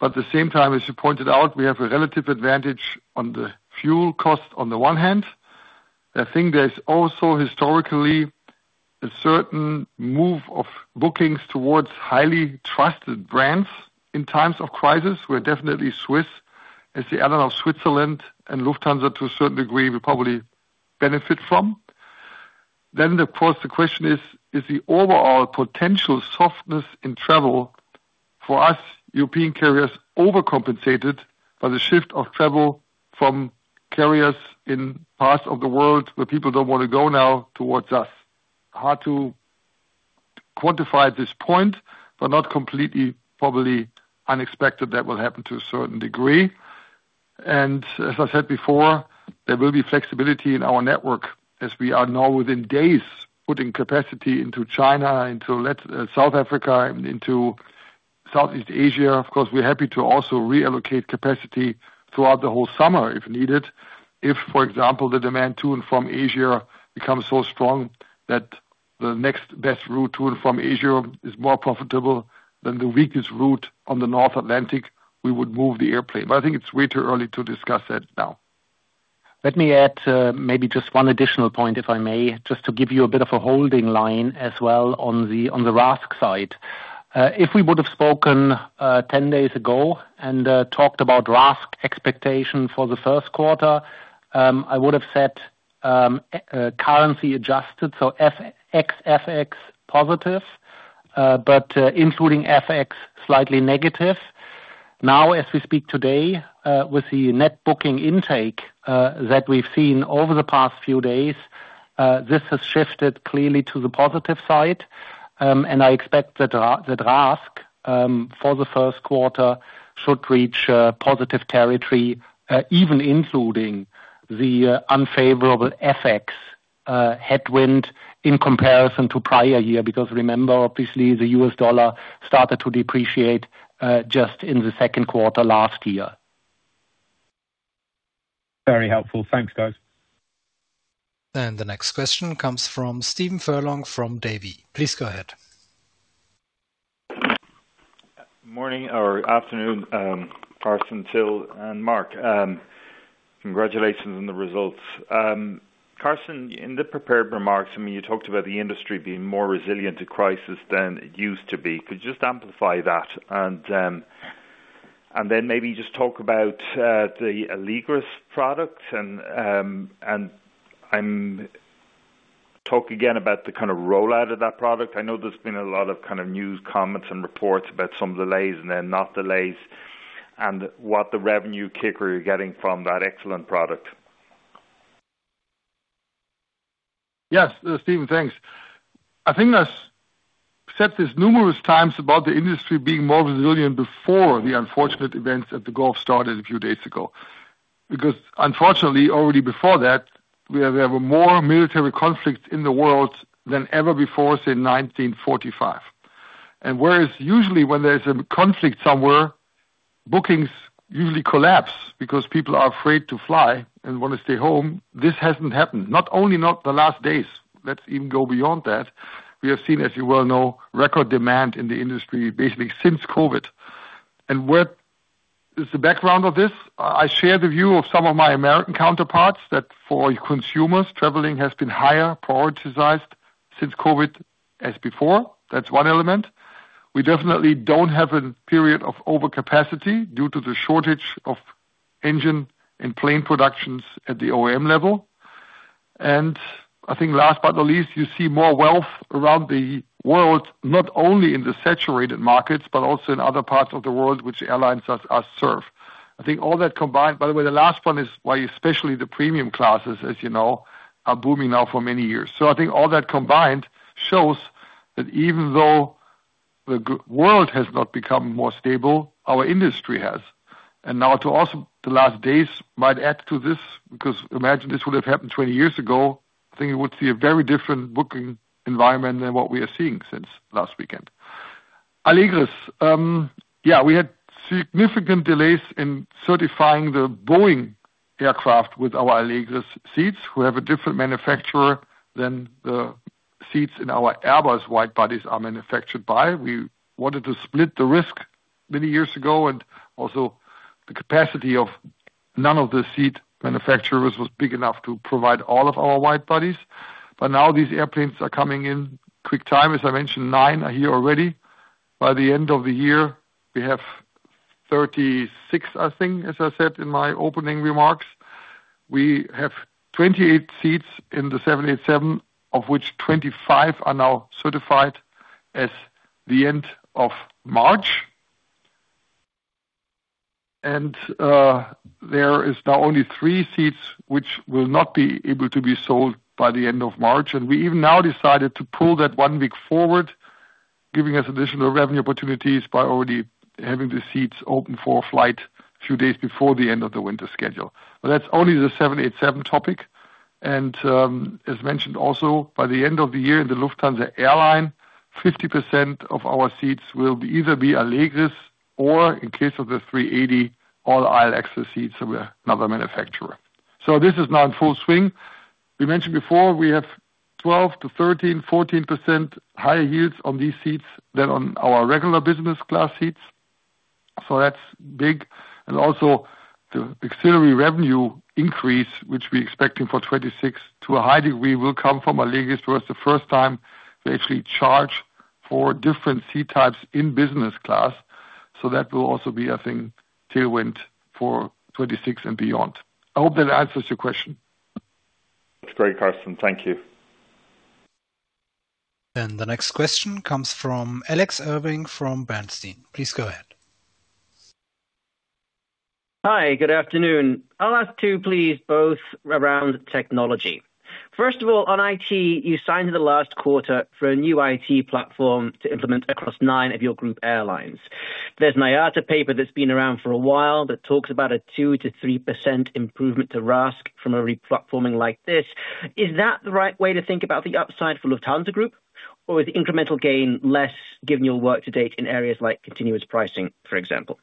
At the same time, as you pointed out, we have a relative advantage on the fuel cost on the one hand. I think there's also historically a certain move of bookings towards highly trusted brands in times of crisis. We're definitely SWISS as the airline of Switzerland and Lufthansa, to a certain degree, will probably benefit from. Of course, the question is the overall potential softness in travel for us, European carriers overcompensated by the shift of travel from carriers in parts of the world where people don't want to go now towards us. Hard to quantify at this point, but not completely, probably unexpected that will happen to a certain degree. As I said before, there will be flexibility in our network as we are now within days, putting capacity into China, into South Africa, and into Southeast Asia. Of course, we're happy to also reallocate capacity throughout the whole summer if needed. If, for example, the demand to and from Asia becomes so strong that the next best route to and from Asia is more profitable than the weakest route on the North Atlantic, we would move the airplane. I think it's way too early to discuss that now. Let me add, maybe just one additional point, if I may, just to give you a bit of a holding line as well on the RASK side. If we would have spoken, 10 days ago and talked about RASK expectation for the first quarter, I would have said, currency adjusted, so FX positive, but including FX, slightly negative. As we speak today, with the net booking intake, that we've seen over the past few days, this has shifted clearly to the positive side. I expect that RASK, for the 1st quarter should reach positive territory, even including the unfavorable FX headwind in comparison to prior year. Remember, obviously, the U.S. dollar started to depreciate, just in the second quarter last year. Very helpful. Thanks, guys. The next question comes from Stephen Furlong from Davy. Please go ahead. Morning or afternoon, Carsten, Till, and Marc. Congratulations on the results. Carsten, in the prepared remarks, I mean, you talked about the industry being more resilient to crisis than it used to be. Could you just amplify that? Then maybe just talk about the Allegris product and talk again about the kind of rollout of that product. I know there's been a lot of kind of news comments and reports about some delays and then not delays, and what the revenue kicker you're getting from that excellent product. Yes, Stephen, thanks. I think I said this numerous times about the industry being more resilient before the unfortunate events at the Gulf started a few days ago, because unfortunately, already before that, we have more military conflicts in the world than ever before, since 1945. Whereas usually when there's a conflict somewhere, bookings usually collapse because people are afraid to fly and want to stay home, this hasn't happened. Not only not the last days, let's even go beyond that. We have seen, as you well know, record demand in the industry, basically since COVID. What is the background of this? I share the view of some of my American counterparts that for consumers, traveling has been higher prioritized since COVID as before. That's one element. We definitely don't have a period of overcapacity due to the shortage of engine and plane productions at the OEM level. I think last but not least, you see more wealth around the world, not only in the saturated markets, but also in other parts of the world which airlines as served. I think all that combined, by the way, the last one is why, especially the premium classes, as you know, are booming now for many years. I think all that combined shows that even though the world has not become more stable, our industry has. Now to also the last days might add to this, because imagine this would have happened 20 years ago. I think you would see a very different booking environment than what we are seeing since last weekend. Allegris, we had significant delays in certifying the Boeing aircraft with our Allegris seats. We have a different manufacturer than the seats in our Airbus wide bodies are manufactured by. We wanted to split the risk many years ago, and also the capacity of none of the seat manufacturers was big enough to provide all of our wide bodies. Now these airplanes are coming in quick time. As I mentioned, nine are here already. By the end of the year, we have 36, I think, as I said in my opening remarks. We have 28 seats in the 787, of which 25 are now certified as the end of March. There is now only three seats which will not be able to be sold by the end of March. We even now decided to pull that one week forward, giving us additional revenue opportunities by already having the seats open for flight a few days before the end of the winter schedule. That's only the 787 topic. As mentioned also, by the end of the year in the Lufthansa airline, 50% of our seats will either be Allegris or in case of the A380, all aisle extra seats. We are another manufacturer. This is now in full swing. We mentioned before we have 12% to 13%, 14% higher yields on these seats than on our regular business class seats. That's big. Also the auxiliary revenue increase, which we expecting for 2026 to a high degree, will come from Allegris was the first time they actually charge for different seat types in business class. That will also be, I think, tailwind for 2026 and beyond. I hope that answers your question. That's great, Carsten. Thank you. The next question comes from Alex Irving from Bernstein. Please go ahead. Hi, good afternoon. I'll ask two, please, both around technology. First of all, on IT, you signed in the last quarter for a new IT platform to implement across nine of your group airlines. There's an IATA paper that's been around for a while that talks about a 2%-3% improvement to RASK from a re-platforming like this. Is that the right way to think about the upside for Lufthansa Group? Is the incremental gain less given your work to date in areas like continuous pricing, for example?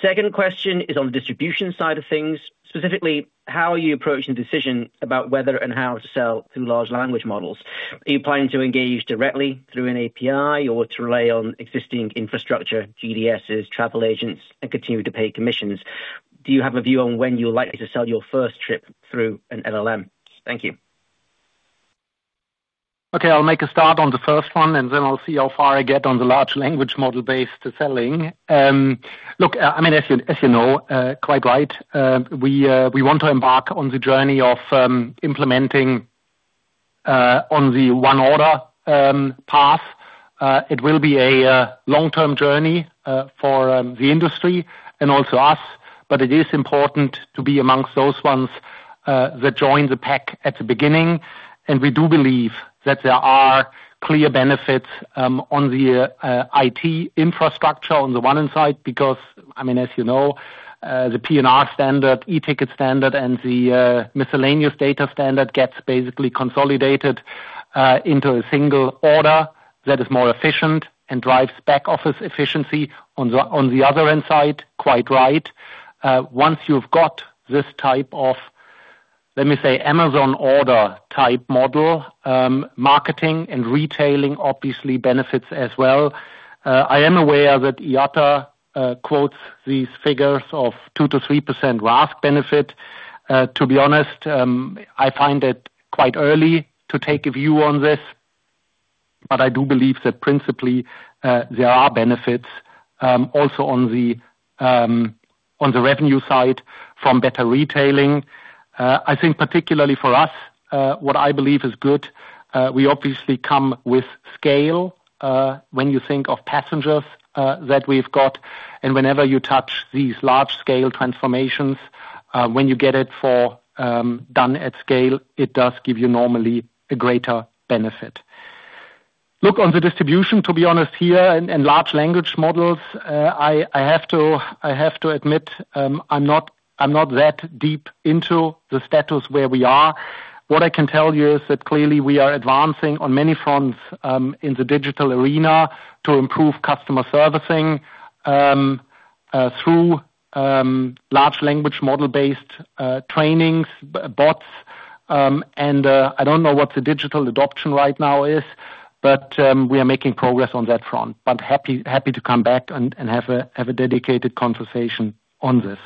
Second question is on the distribution side of things, specifically how are you approaching the decision about whether and how to sell through large language models. Are you planning to engage directly through an API or to rely on existing infrastructure, GDSs, travel agents, and continue to pay commissions? Do you have a view on when you're likely to sell your first trip through an LLM? Thank you. Okay, I'll make a start on the first one, and then I'll see how far I get on the large language model-based selling. Look, I mean, as you know, quite right, we want to embark on the journey of implementing on the ONE Order path. It will be a long-term journey for the industry and also us, but it is important to be amongst those ones that join the pack at the beginning. We do believe that there are clear benefits on the IT infrastructure on the one end side, because I mean, as you know, the PNR standard, e-ticket standard, and the miscellaneous data standard gets basically consolidated into a single order that is more efficient and drives back office efficiency on the other end side, quite right. Once you've got this type of, let me say, Amazon order type model, marketing and retailing obviously benefits as well. I am aware that IATA quotes these figures of 2%-3% RASK benefit. To be honest, I find it quite early to take a view on this, but I do believe that principally, there are benefits also on the revenue side from better retailing. I think particularly for us, what I believe is good, we obviously come with scale, when you think of passengers, that we've got, and whenever you touch these large scale transformations, when you get it for done at scale, it does give you normally a greater benefit. Look, on the distribution, to be honest here, and large language models, I have to admit, I'm not that deep into the status where we are. What I can tell you is that clearly we are advancing on many fronts, in the digital arena to improve customer servicing, through large language model-based trainings, bots. I don't know what the digital adoption right now is, but we are making progress on that front. Happy to come back and have a dedicated conversation on this.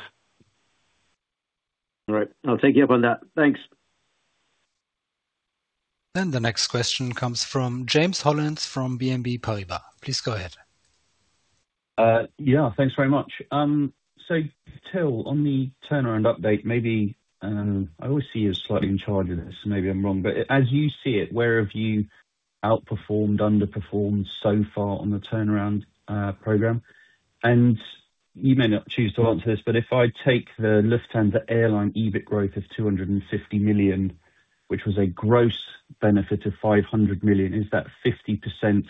All right. I'll take you up on that. Thanks. The next question comes from James Hollins from BNP Paribas. Please go ahead. Yeah, thanks very much. Till, on the turnaround update, maybe, I always see you slightly in charge of this, maybe I'm wrong. As you see it, where have you outperformed, underperformed so far on the turnaround program? You may not choose to answer this, but if I take the Lufthansa Airlines EBIT growth of 250 million, which was a gross benefit of 500 million, is that 50%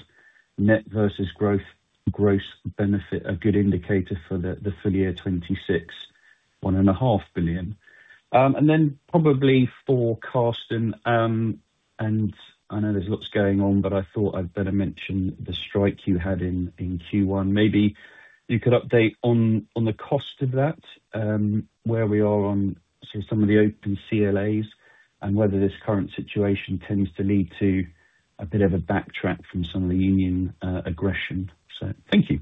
net versus growth, gross benefit a good indicator for the full-year 2026, EUR 1.5 billion? Probably for Carsten, and I know there's lots going on, but I thought I'd better mention the strike you had in Q1. Maybe you could update on the cost of that, where we are on some of the open CLAs and whether this current situation tends to lead to a bit of a backtrack from some of the union aggression. Thank you.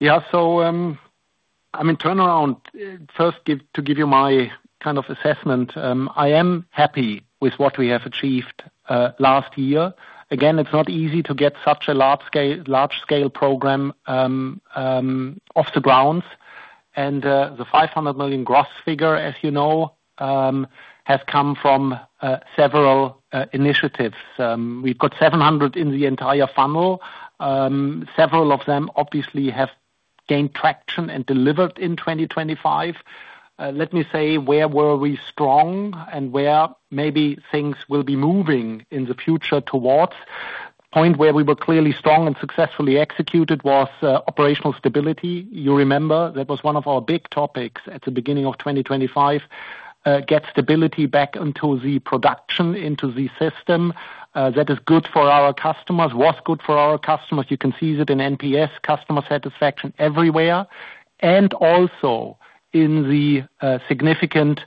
Yeah. I mean, turnaround, first to give you my kind of assessment, I am happy with what we have achieved last year. Again, it's not easy to get such a large scale program off the ground. The 500 million gross figure, as you know, has come from several initiatives. We've got 700 million in the entire funnel. Several of them obviously have gained traction and delivered in 2025. Let me say where were we strong and where maybe things will be moving in the future towards. Point where we were clearly strong and successfully executed was operational stability. You remember that was one of our big topics at the beginning of 2025. Get stability back into the production, into the system. That is good for our customers, was good for our customers. You can see it in NPS customer satisfaction everywhere. Also in the significant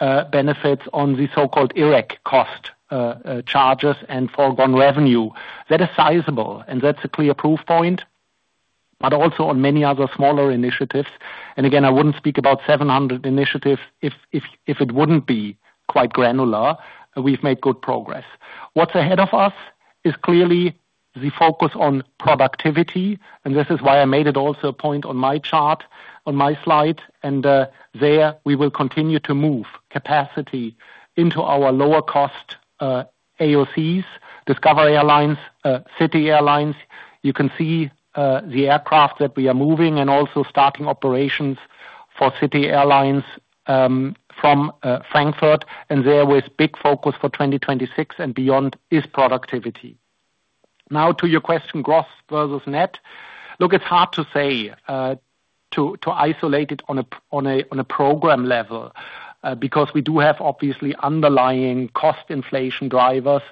benefits on the so-called IRAC cost charges and foregone revenue. That is sizable and that's a clear proof point, but also on many other smaller initiatives. Again, I wouldn't speak about 700 million initiatives if it wouldn't be quite granular. We've made good progress. What's ahead of us is clearly the focus on productivity, and this is why I made it also a point on my chart, on my slide, and there we will continue to move capacity into our lower cost AOCs, Discover Airlines, City Airlines. You can see the aircraft that we are moving and also starting operations for City Airlines from Frankfurt, there with big focus for 2026 and beyond is productivity. Now to your question, gross versus net. Look, it's hard to say to isolate it on a program level because we do have obviously underlying cost inflation drivers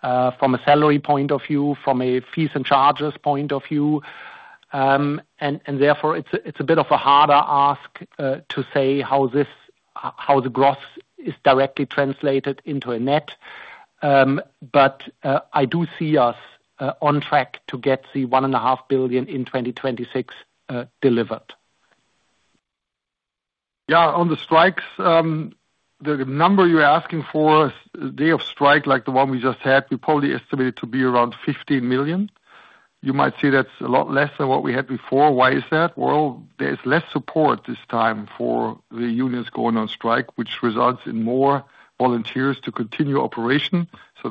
from a salary point of view, from a fees and charges point of view, therefore it's a bit of a harder ask to say how the gross is directly translated into a net. I do see us on track to get the 1.5 billion in 2026 delivered. Yeah, on the strikes, the number you're asking for, day of strike, like the one we just had, we probably estimate it to be around 15 million. You might say that's a lot less than what we had before. Why is that? Well, there's less support this time for the unions going on strike, which results in more volunteers to continue operation.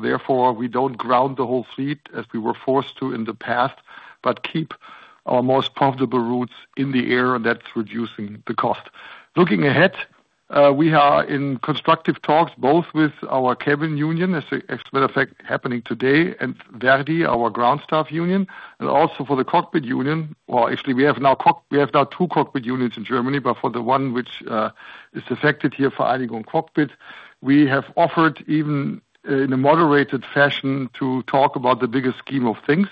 Therefore, we don't ground the whole fleet as we were forced to in the past, but keep our most profitable routes in the air, and that's reducing the cost. Looking ahead, we are in constructive talks both with our cabin union, as a matter of fact, happening today, and ver.di, our ground staff union, and also for the cockpit union. Well, actually, we have now two cockpit units in Germany, but for the one which is affected here for Vereinigung Cockpit, we have offered even in a moderated fashion to talk about the biggest scheme of things,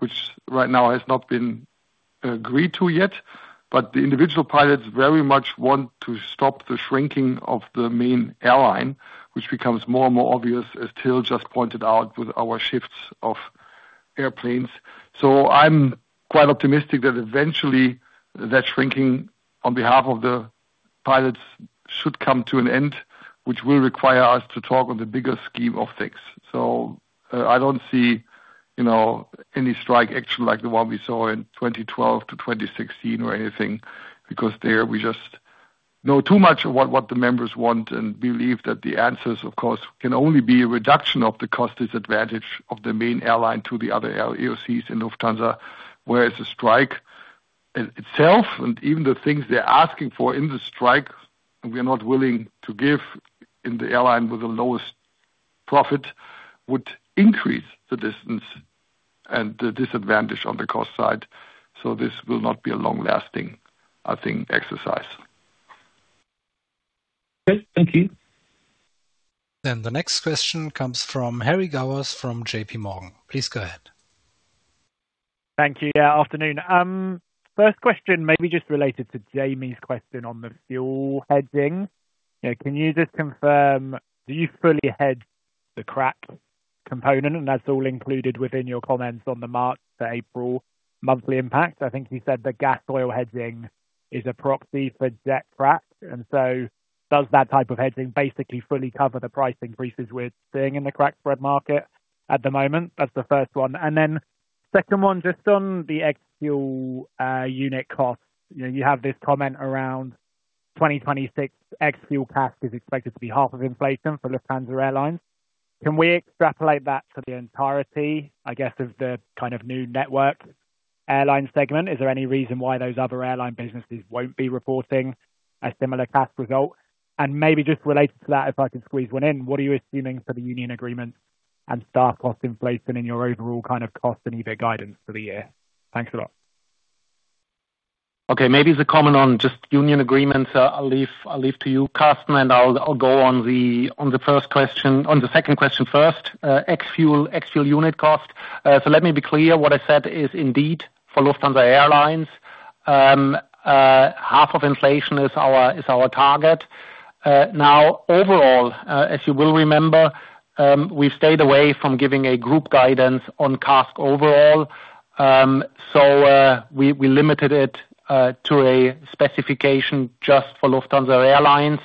which right now has not been agreed to yet. But the individual pilots very much want to stop the shrinking of the main airline, which becomes more and more obvious as Till just pointed out with our shift of airplanes. I'm quite optimistic that eventually, that shrinking on behalf of the pilots should come to an end, which will require us to talk on the bigger scheme of things. I don't see any strike action like the one we saw in 2012 to 2016 or anything, because there we just know too much about what the members want and believe that the answers of course can only be a reduction of the cost disadvantage of the main airline to the other LEOCs in Lufthansa. Whereas a strike itself the things they are asking for in the strike, we're not willing to give in the airline with the lowest profit would increase the distance and the disadvantage on the cost side. This will not be long lasting, I think. Okay, thank you. The next question comes from Harry Gowers from JPMorgan. Please go ahead. Thank you. Yeah, afternoon. First question may be just related to Jaime's question on the fuel hedging. You know, can you just confirm, do you fully hedge the crack component, and that's all included within your comments on the March to April monthly impact? I think you said the gas oil hedging is a proxy for jet crack. Does that type of hedging basically fully cover the price increases we're seeing in the crack spread market at the moment? That's the first one. Second one, just on the ex-fuel unit cost. You know, you have this comment around 2026 ex-fuel cost is expected to be half of inflation for Lufthansa Airlines. Can we extrapolate that for the entirety, I guess, of the kind of new network airline segment? Is there any reason why those other airline businesses won't be reporting a similar cost result? Maybe just related to that, if I could squeeze one in, what are you assuming for the union agreements and staff cost inflation in your overall kind of cost and EBIT guidance for the year? Thanks a lot. Okay, maybe the comment on just union agreements, I'll leave to you, Carsten, and I'll go on the first question, on the second question first. ex-fuel unit cost. Let me be clear. What I said is indeed for Lufthansa Airlines, half of inflation is our target. Overall, as you will remember, we've stayed away from giving a group guidance on cost overall. We limited it to a specification just for Lufthansa Airlines.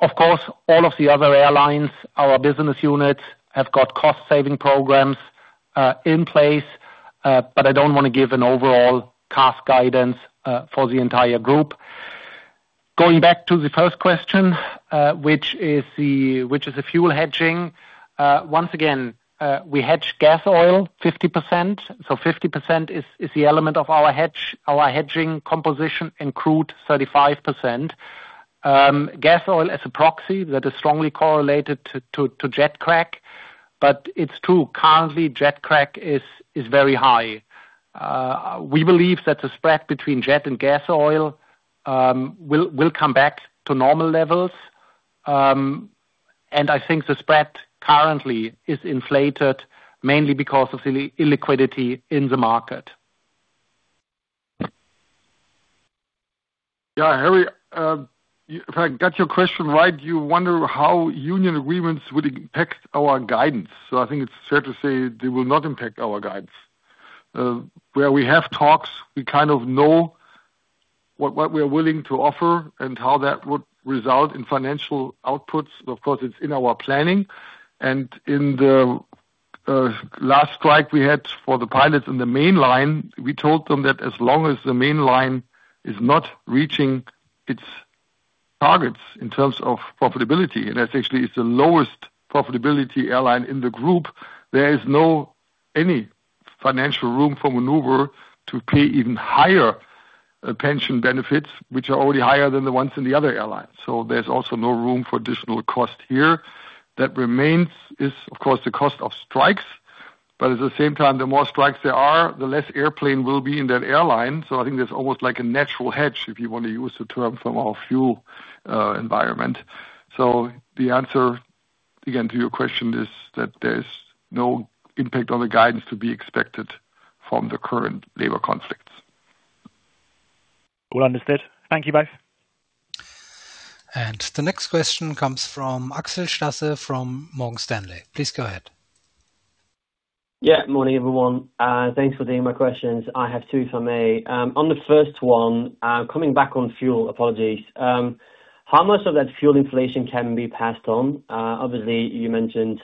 Of course, all of the other airlines, our business units, have got cost saving programs in place, but I don't want to give an overall cost guidance for the entire group. Going back to the first question, which is the fuel hedging. Once again, we hedge gas oil 50%, so 50% is the element of our hedge, our hedging composition, and crude 35%. Gas oil is a proxy that is strongly correlated to jet crack, but it's true, currently jet crack is very high. We believe that the spread between jet and gas oil will come back to normal levels, and I think the spread currently is inflated mainly because of illiquidity in the market. Yeah, Harry, if I got your question right, you wonder how union agreements would impact our guidance. I think it's fair to say they will not impact our guidance. Where we have talks, we kind of know what we are willing to offer and how that would result in financial outputs, of course, it's in our planning. In the last strike we had for the pilots in the mainline, we told them that as long as the mainline is not reaching its targets in terms of profitability, and essentially it's the lowest profitability airline in the group, there is no any financial room for maneuver to pay even higher pension benefits, which are already higher than the ones in the other airlines. There's also no room for additional cost here. That remains is, of course, the cost of strikes, at the same time, the more strikes there are, the less airplane will be in that airline. I think there's almost like a natural hedge, if you wanna use the term from our fuel environment. The answer, again, to your question is that there's no impact on the guidance to be expected from the current labor conflicts. All understood. Thank you both. The next question comes from Axel Stasse from Morgan Stanley. Please go ahead. Yeah. Morning, everyone. Thanks for taking my questions. I have two, if I may. On the first one, coming back on fuel, apologies. How much of that fuel inflation can be passed on? Obviously, you mentioned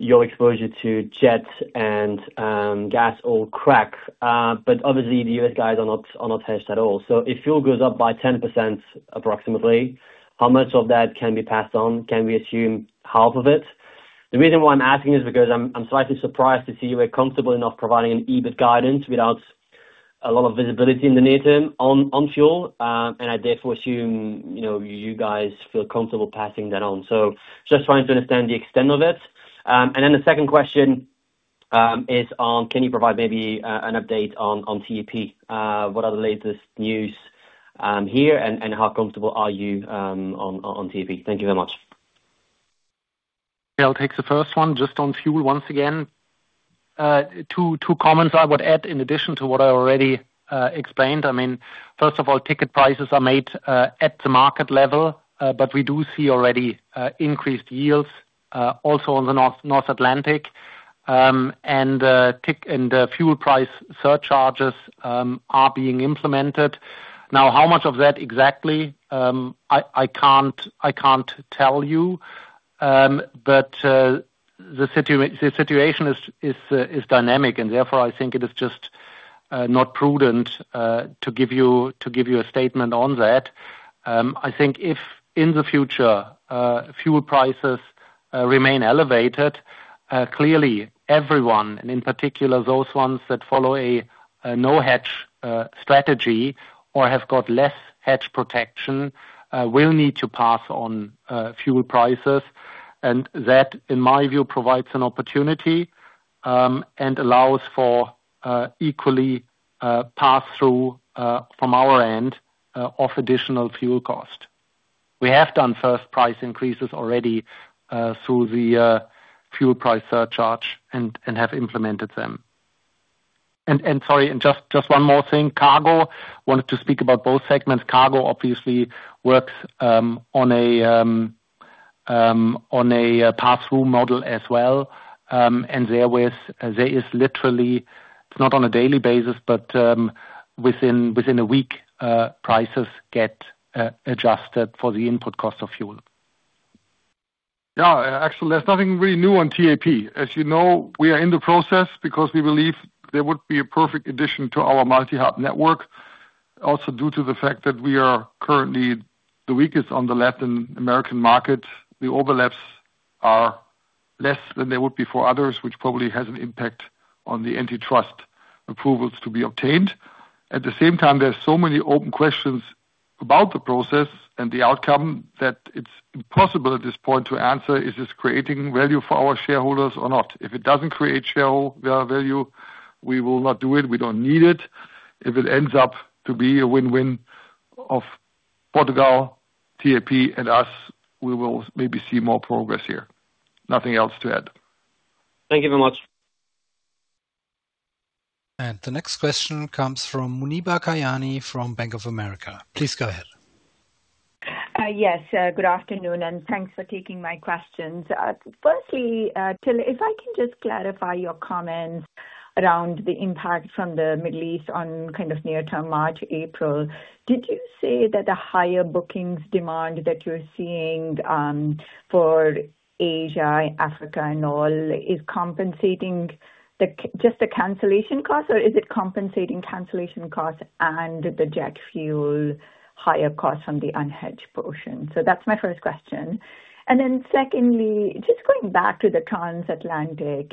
your exposure to jet and gas or crack. But obviously the U.S. guys are not hedged at all. If fuel goes up by 10% approximately, how much of that can be passed on? Can we assume half of it? The reason why I'm asking is because I'm slightly surprised to see you were comfortable enough providing an EBIT guidance without a lot of visibility in the near term on fuel. I therefore assume, you know, you guys feel comfortable passing that on. Just trying to understand the extent of it. Then the second question is, can you provide maybe an update on TAP? What are the latest news here, and how comfortable are you on TAP? Thank you very much. Yeah, I'll take the first one. Just on fuel, once again, two comments I would add in addition to what I already explained. I mean, first of all, ticket prices are made at the market level, but we do see already increased yields also on the North Atlantic. Fuel price surcharges are being implemented. Now, how much of that exactly? I can't tell you. The situation is dynamic, and therefore I think it is just not prudent to give you a statement on that. I think if in the future, fuel prices remain elevated, clearly everyone, and in particular those ones that follow a no hedge strategy or have got less hedge protection, will need to pass on fuel prices. That, in my view, provides an opportunity and allows for equally pass-through from our end of additional fuel cost. We have done first price increases already through the fuel price surcharge and have implemented them. Just one more thing. Cargo, wanted to speak about both segments. Cargo obviously works on a pass-through model as well, and there is literally, it's not on a daily basis, but within a week, prices get adjusted for the input cost of fuel. Axel, there's nothing really new on TAP. As you know, we are in the process because we believe there would be a perfect addition to our multi-hub network. Also due to the fact that we are currently the weakest on the Latin American market. The overlaps are less than they would be for others, which probably has an impact on the antitrust approvals to be obtained. At the same time, there are so many open questions about the process and the outcome that it's impossible at this point to answer, is this creating value for our shareholders or not? If it doesn't create value, we will not do it. We don't need it. If it ends up to be a win-win of Portugal, TAP and us, we will maybe see more progress here. Nothing else to add. Thank you very much. The next question comes from Muneeba Kayani from Bank of America. Please go ahead. Yes. Good afternoon, thanks for taking my questions. Firstly, Till, if I can just clarify your comments around the impact from the Middle East on kind of near term March, April. Did you say that the higher bookings demand that you're seeing for Asia, Africa and all is compensating just the cancellation cost, or is it compensating cancellation costs and the jet fuel higher costs on the unhedged portion? That's my first question. Secondly, just going back to the transatlantic,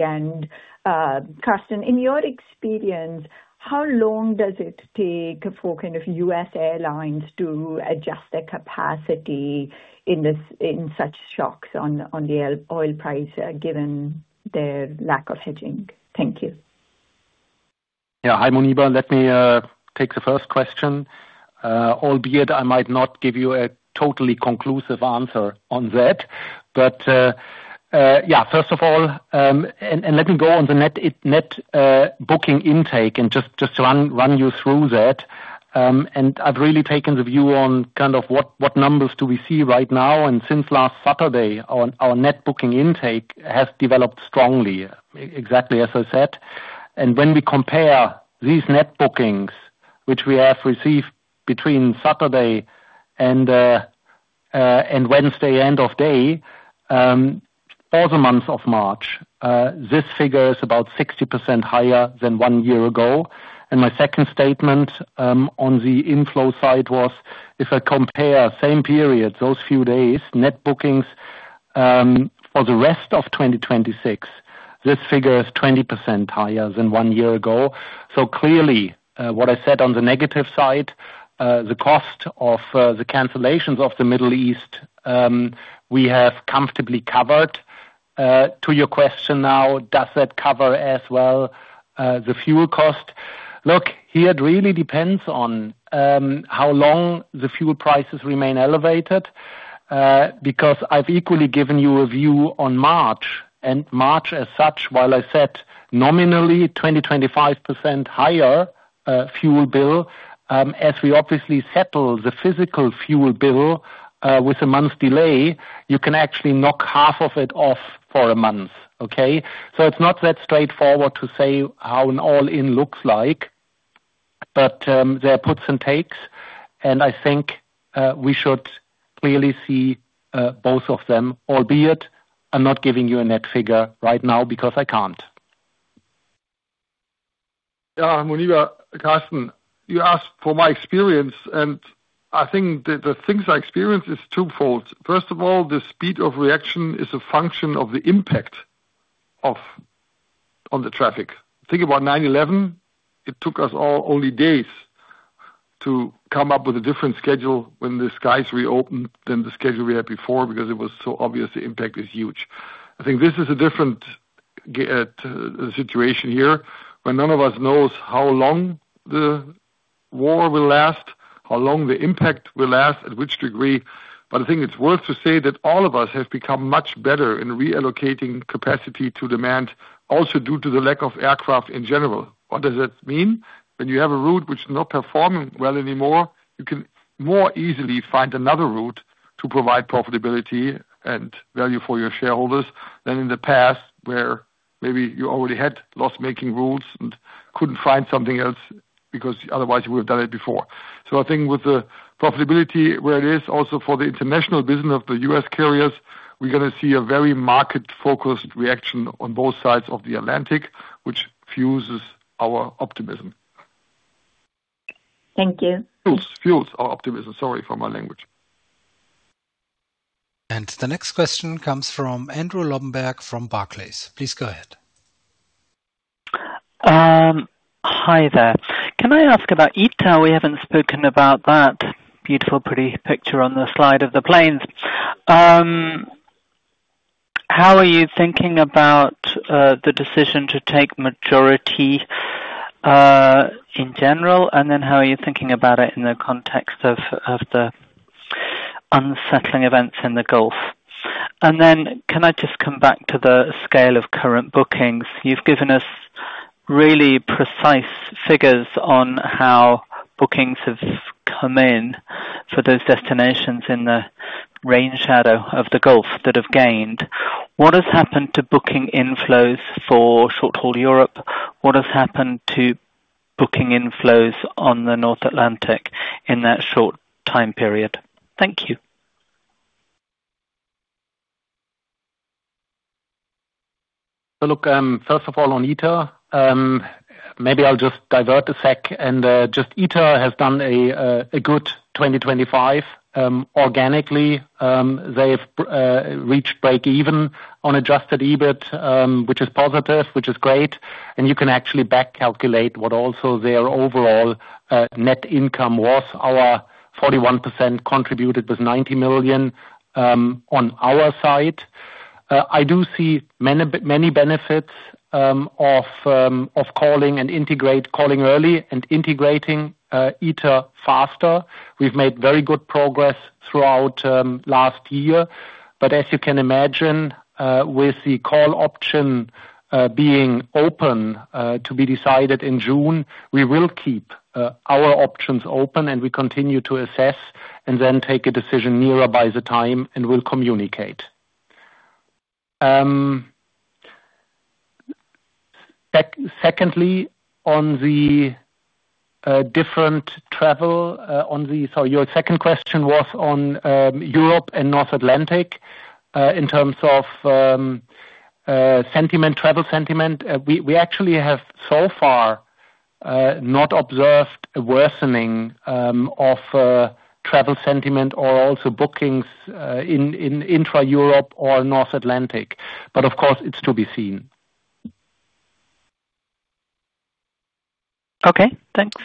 Carsten, in your experience, how long does it take for kind of U.S. airlines to adjust their capacity in this, in such shocks on the oil price, given their lack of hedging? Thank you. Yeah. Hi, Muneeba. Let me take the first question. Albeit I might not give you a totally conclusive answer on that. Yeah, first of all, let me go on the net booking intake and just run you through that. I've really taken the view on kind of what numbers do we see right now. Since last Saturday, our net booking intake has developed strongly, exactly as I said. When we compare these net bookings, which we have received between Saturday and Wednesday end of day, for the month of March, this figure is about 60% higher than one year ago. My second statement on the inflow side was if I compare same period, those few days, net bookings for the rest of 2026, this figure is 20% higher than one year ago. Clearly, what I said on the negative side, the cost of the cancellations of the Middle East, we have comfortably covered. To your question now, does that cover as well the fuel cost? Look, it really depends on how long the fuel prices remain elevated, because I've equally given you a view on March, and March as such, while I said nominally 20%-25% higher fuel bill, as we obviously settle the physical fuel bill with a month's delay, you can actually knock half of it off for a month. It's not that straightforward to say how an all-in looks like. There are puts and takes, and I think, we should clearly see, both of them, albeit, I'm not giving you a net figure right now because I can't. Yeah, Muneeba. Carsten, you asked for my experience, and I think the things I experienced is twofold. First of all, the speed of reaction is a function of the impact on the traffic. Think about 9/11, it took us all only days to come up with a different schedule when the skies reopened than the schedule we had before because it was so obvious the impact is huge. I think this is a different situation here, where none of us knows how long the war will last, how long the impact will last, at which degree. I think it's worth to say that all of us have become much better in reallocating capacity to demand, also due to the lack of aircraft in general. What does that mean? When you have a route which is not performing well anymore, you can more easily find another route to provide profitability and value for your shareholders than in the past, where maybe you already had loss-making routes and couldn't find something else because otherwise you would have done it before. I think with the profitability where it is also for the international business of the U.S. carriers, we're gonna see a very market-focused reaction on both sides of the Atlantic, which fuels our optimism. Thank you. Fuels our optimism. Sorry for my language. The next question comes from Andrew Lobbenberg from Barclays. Please go ahead. Hi there. Can I ask about ITA? We haven't spoken about that beautiful, pretty picture on the slide of the planes. How are you thinking about the decision to take majority in general? How are you thinking about it in the context of the unsettling events in the Gulf? Can I just come back to the scale of current bookings? You've given us really precise figures on how bookings have come in for those destinations in the range shadow of the Gulf that have gained. What has happened to booking inflows for short-haul Europe? What has happened to booking inflows on the North Atlantic in that short time period? Thank you. Look, first of all, on ITA, maybe I'll just divert a sec and just ITA has done a good 2025 organically. They've reached break even on Adjusted EBIT, which is positive, which is great. You can actually back calculate what also their overall net income was. Our 41% contributed with 90 million on our side. I do see many, many benefits of calling early and integrating ITA faster. We've made very good progress throughout last year. As you can imagine, with the call option being open to be decided in June, we will keep our options open and we continue to assess and then take a decision nearer by the time and we'll communicate. Secondly, on the different travel, your second question was on Europe and North Atlantic, in terms of sentiment, travel sentiment. We actually have so far not observed a worsening of travel sentiment or also bookings in intra-Europe or North Atlantic. Of course, it's to be seen. Okay, thanks.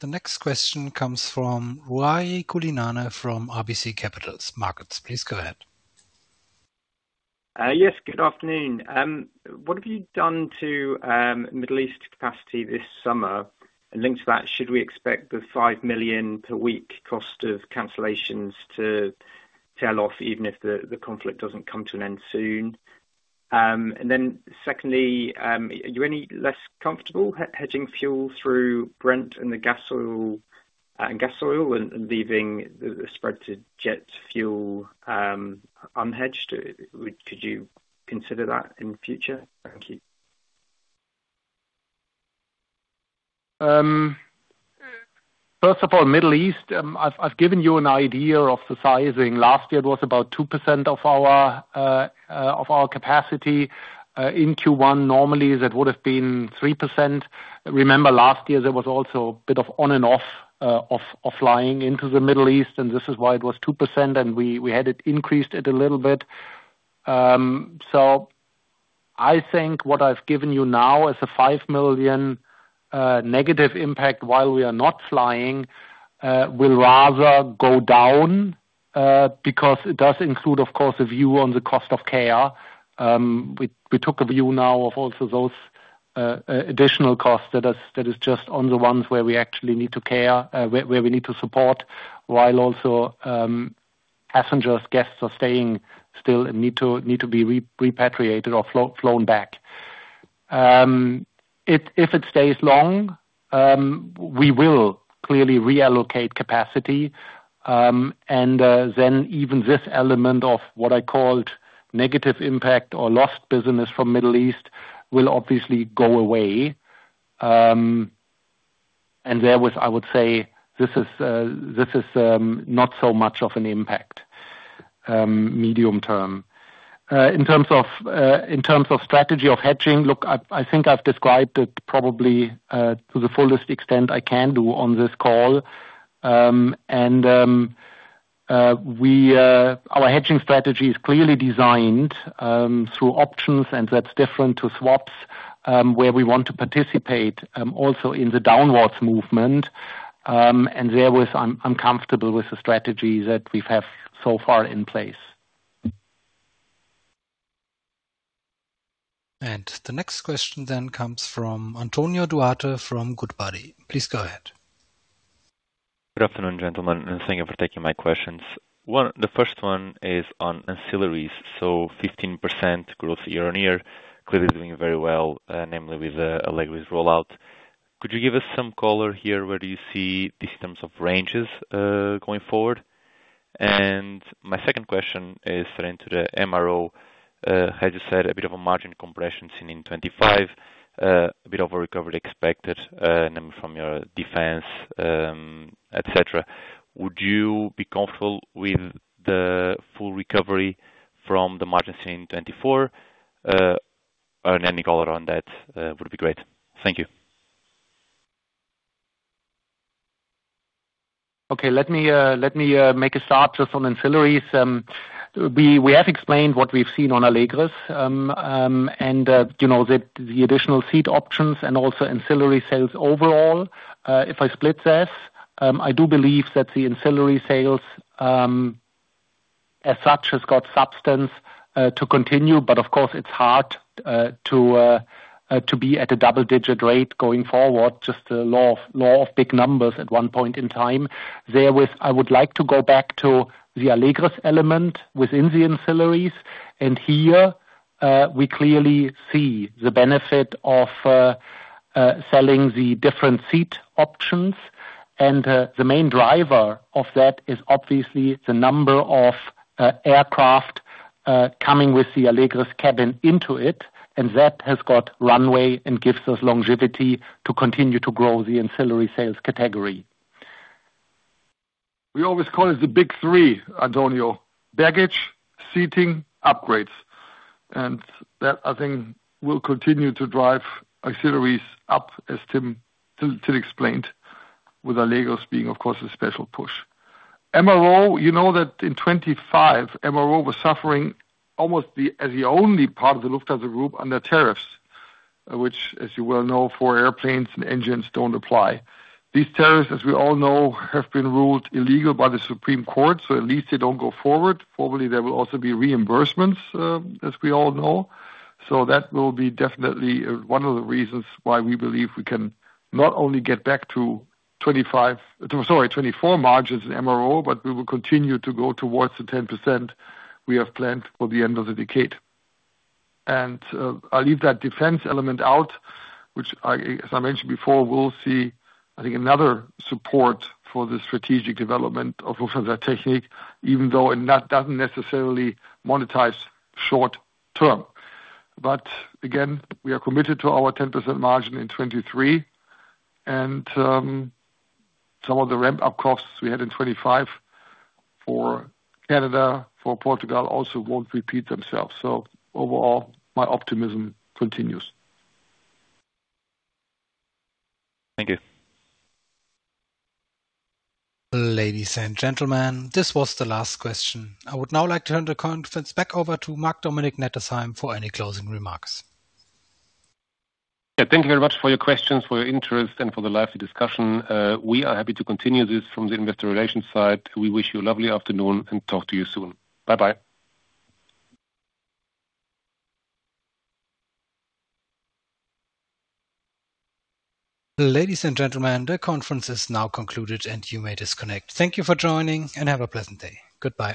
The next question comes from Ruairi Cullinane from RBC Capital Markets. Please go ahead. Yes, good afternoon. What have you done to Middle East capacity this summer? Linked to that, should we expect the 5 million per week cost of cancellations to tail off, even if the conflict doesn't come to an end soon? Secondly, are you any less comfortable hedging fuel through Brent and the gas oil and leaving the spread to jet fuel unhedged? Could you consider that in the future? Thank you. First of all, Middle East. I've given you an idea of the sizing. Last year it was about 2% of our capacity. In Q1 normally that would've been 3%. Remember last year there was also a bit of on and off of flying into the Middle East, this is why it was 2% and we had it increased it a little bit. I think what I've given you now is a 5 million negative impact while we are not flying, will rather go down, because it does include of course a view on the cost of care. We took a view now of also those additional costs that is just on the ones where we actually need to care, where we need to support while also, passengers, guests are staying still and need to be repatriated or flown back. If it stays long, we will clearly reallocate capacity, and then even this element of what I called negative impact or lost business from Middle East will obviously go away. I would say this is not so much of an impact, medium term. In terms of strategy of hedging, look, I think I've described it probably to the fullest extent I can do on this call. We our hedging strategy is clearly designed through options and that's different to swaps where we want to participate also in the downwards movement and there was I'm comfortable with the strategy that we have so far in place. The next question then comes from Antonio Duarte from Goodbody. Please go ahead. Good afternoon, gentlemen, thank you for taking my questions. The first one is on ancillaries. 15% growth year-over-year, clearly doing very well, namely with Allegris rollout. Could you give us some color here, where do you see these terms of ranges going forward? My second question is relating to the MRO. As you said, a bit of a margin compression seen in 2025, a bit of a recovery expected, namely from your defense, et cetera. Would you be comfortable with the full recovery from the margin seen in 2024? Any color on that would be great. Thank you. Okay. Let me make a start just on ancillaries. We have explained what we've seen on Allegris, and, you know, the additional seat options and also ancillary sales overall. If I split this, I do believe that the ancillary sales as such has got substance to continue. Of course it's hard to be at a double-digit rate going forward, just the law of big numbers at one point in time. I would like to go back to the Allegris element within the ancillaries, here we clearly see the benefit of selling the different seat options. The main driver of that is obviously the number of aircraft coming with the Allegris cabin into it, and that has got runway and gives us longevity to continue to grow the ancillary sales category. We always call it the big three, Antonio. Baggage, seating, upgrades. That I think will continue to drive auxiliaries up, as Till explained, with Allegris being of course a special push. MRO, you know that in 2025, MRO was suffering almost as the only part of the Lufthansa Group under tariffs, which, as you well know, for airplanes and engines don't apply. These tariffs, as we all know, have been ruled illegal by the Supreme Court, at least they don't go forward. Hopefully, there will also be reimbursements, as we all know. That will be definitely one of the reasons why we believe we can not only get back to 2025, to sorry, 2024 margins in MRO, but we will continue to go towards the 10% we have planned for the end of the decade. I'll leave that defense element out, which I, as I mentioned before, we'll see I think another support for the strategic development of Lufthansa Technik, even though it doesn't necessarily monetize short term. Again, we are committed to our 10% margin in 2023 and some of the ramp up costs we had in 2025 for Canada, for Portugal also won't repeat themselves. Overall, my optimism continues. Thank you. Ladies and gentlemen, this was the last question. I would now like to turn the conference back over to Marc-Dominic Nettesheim for any closing remarks. Yeah, thank you very much for your questions, for your interest and for the lively discussion. We are happy to continue this from the investor relations side. We wish you a lovely afternoon and talk to you soon. Bye-bye. Ladies and gentlemen, the conference is now concluded and you may disconnect. Thank you for joining and have a pleasant day. Goodbye.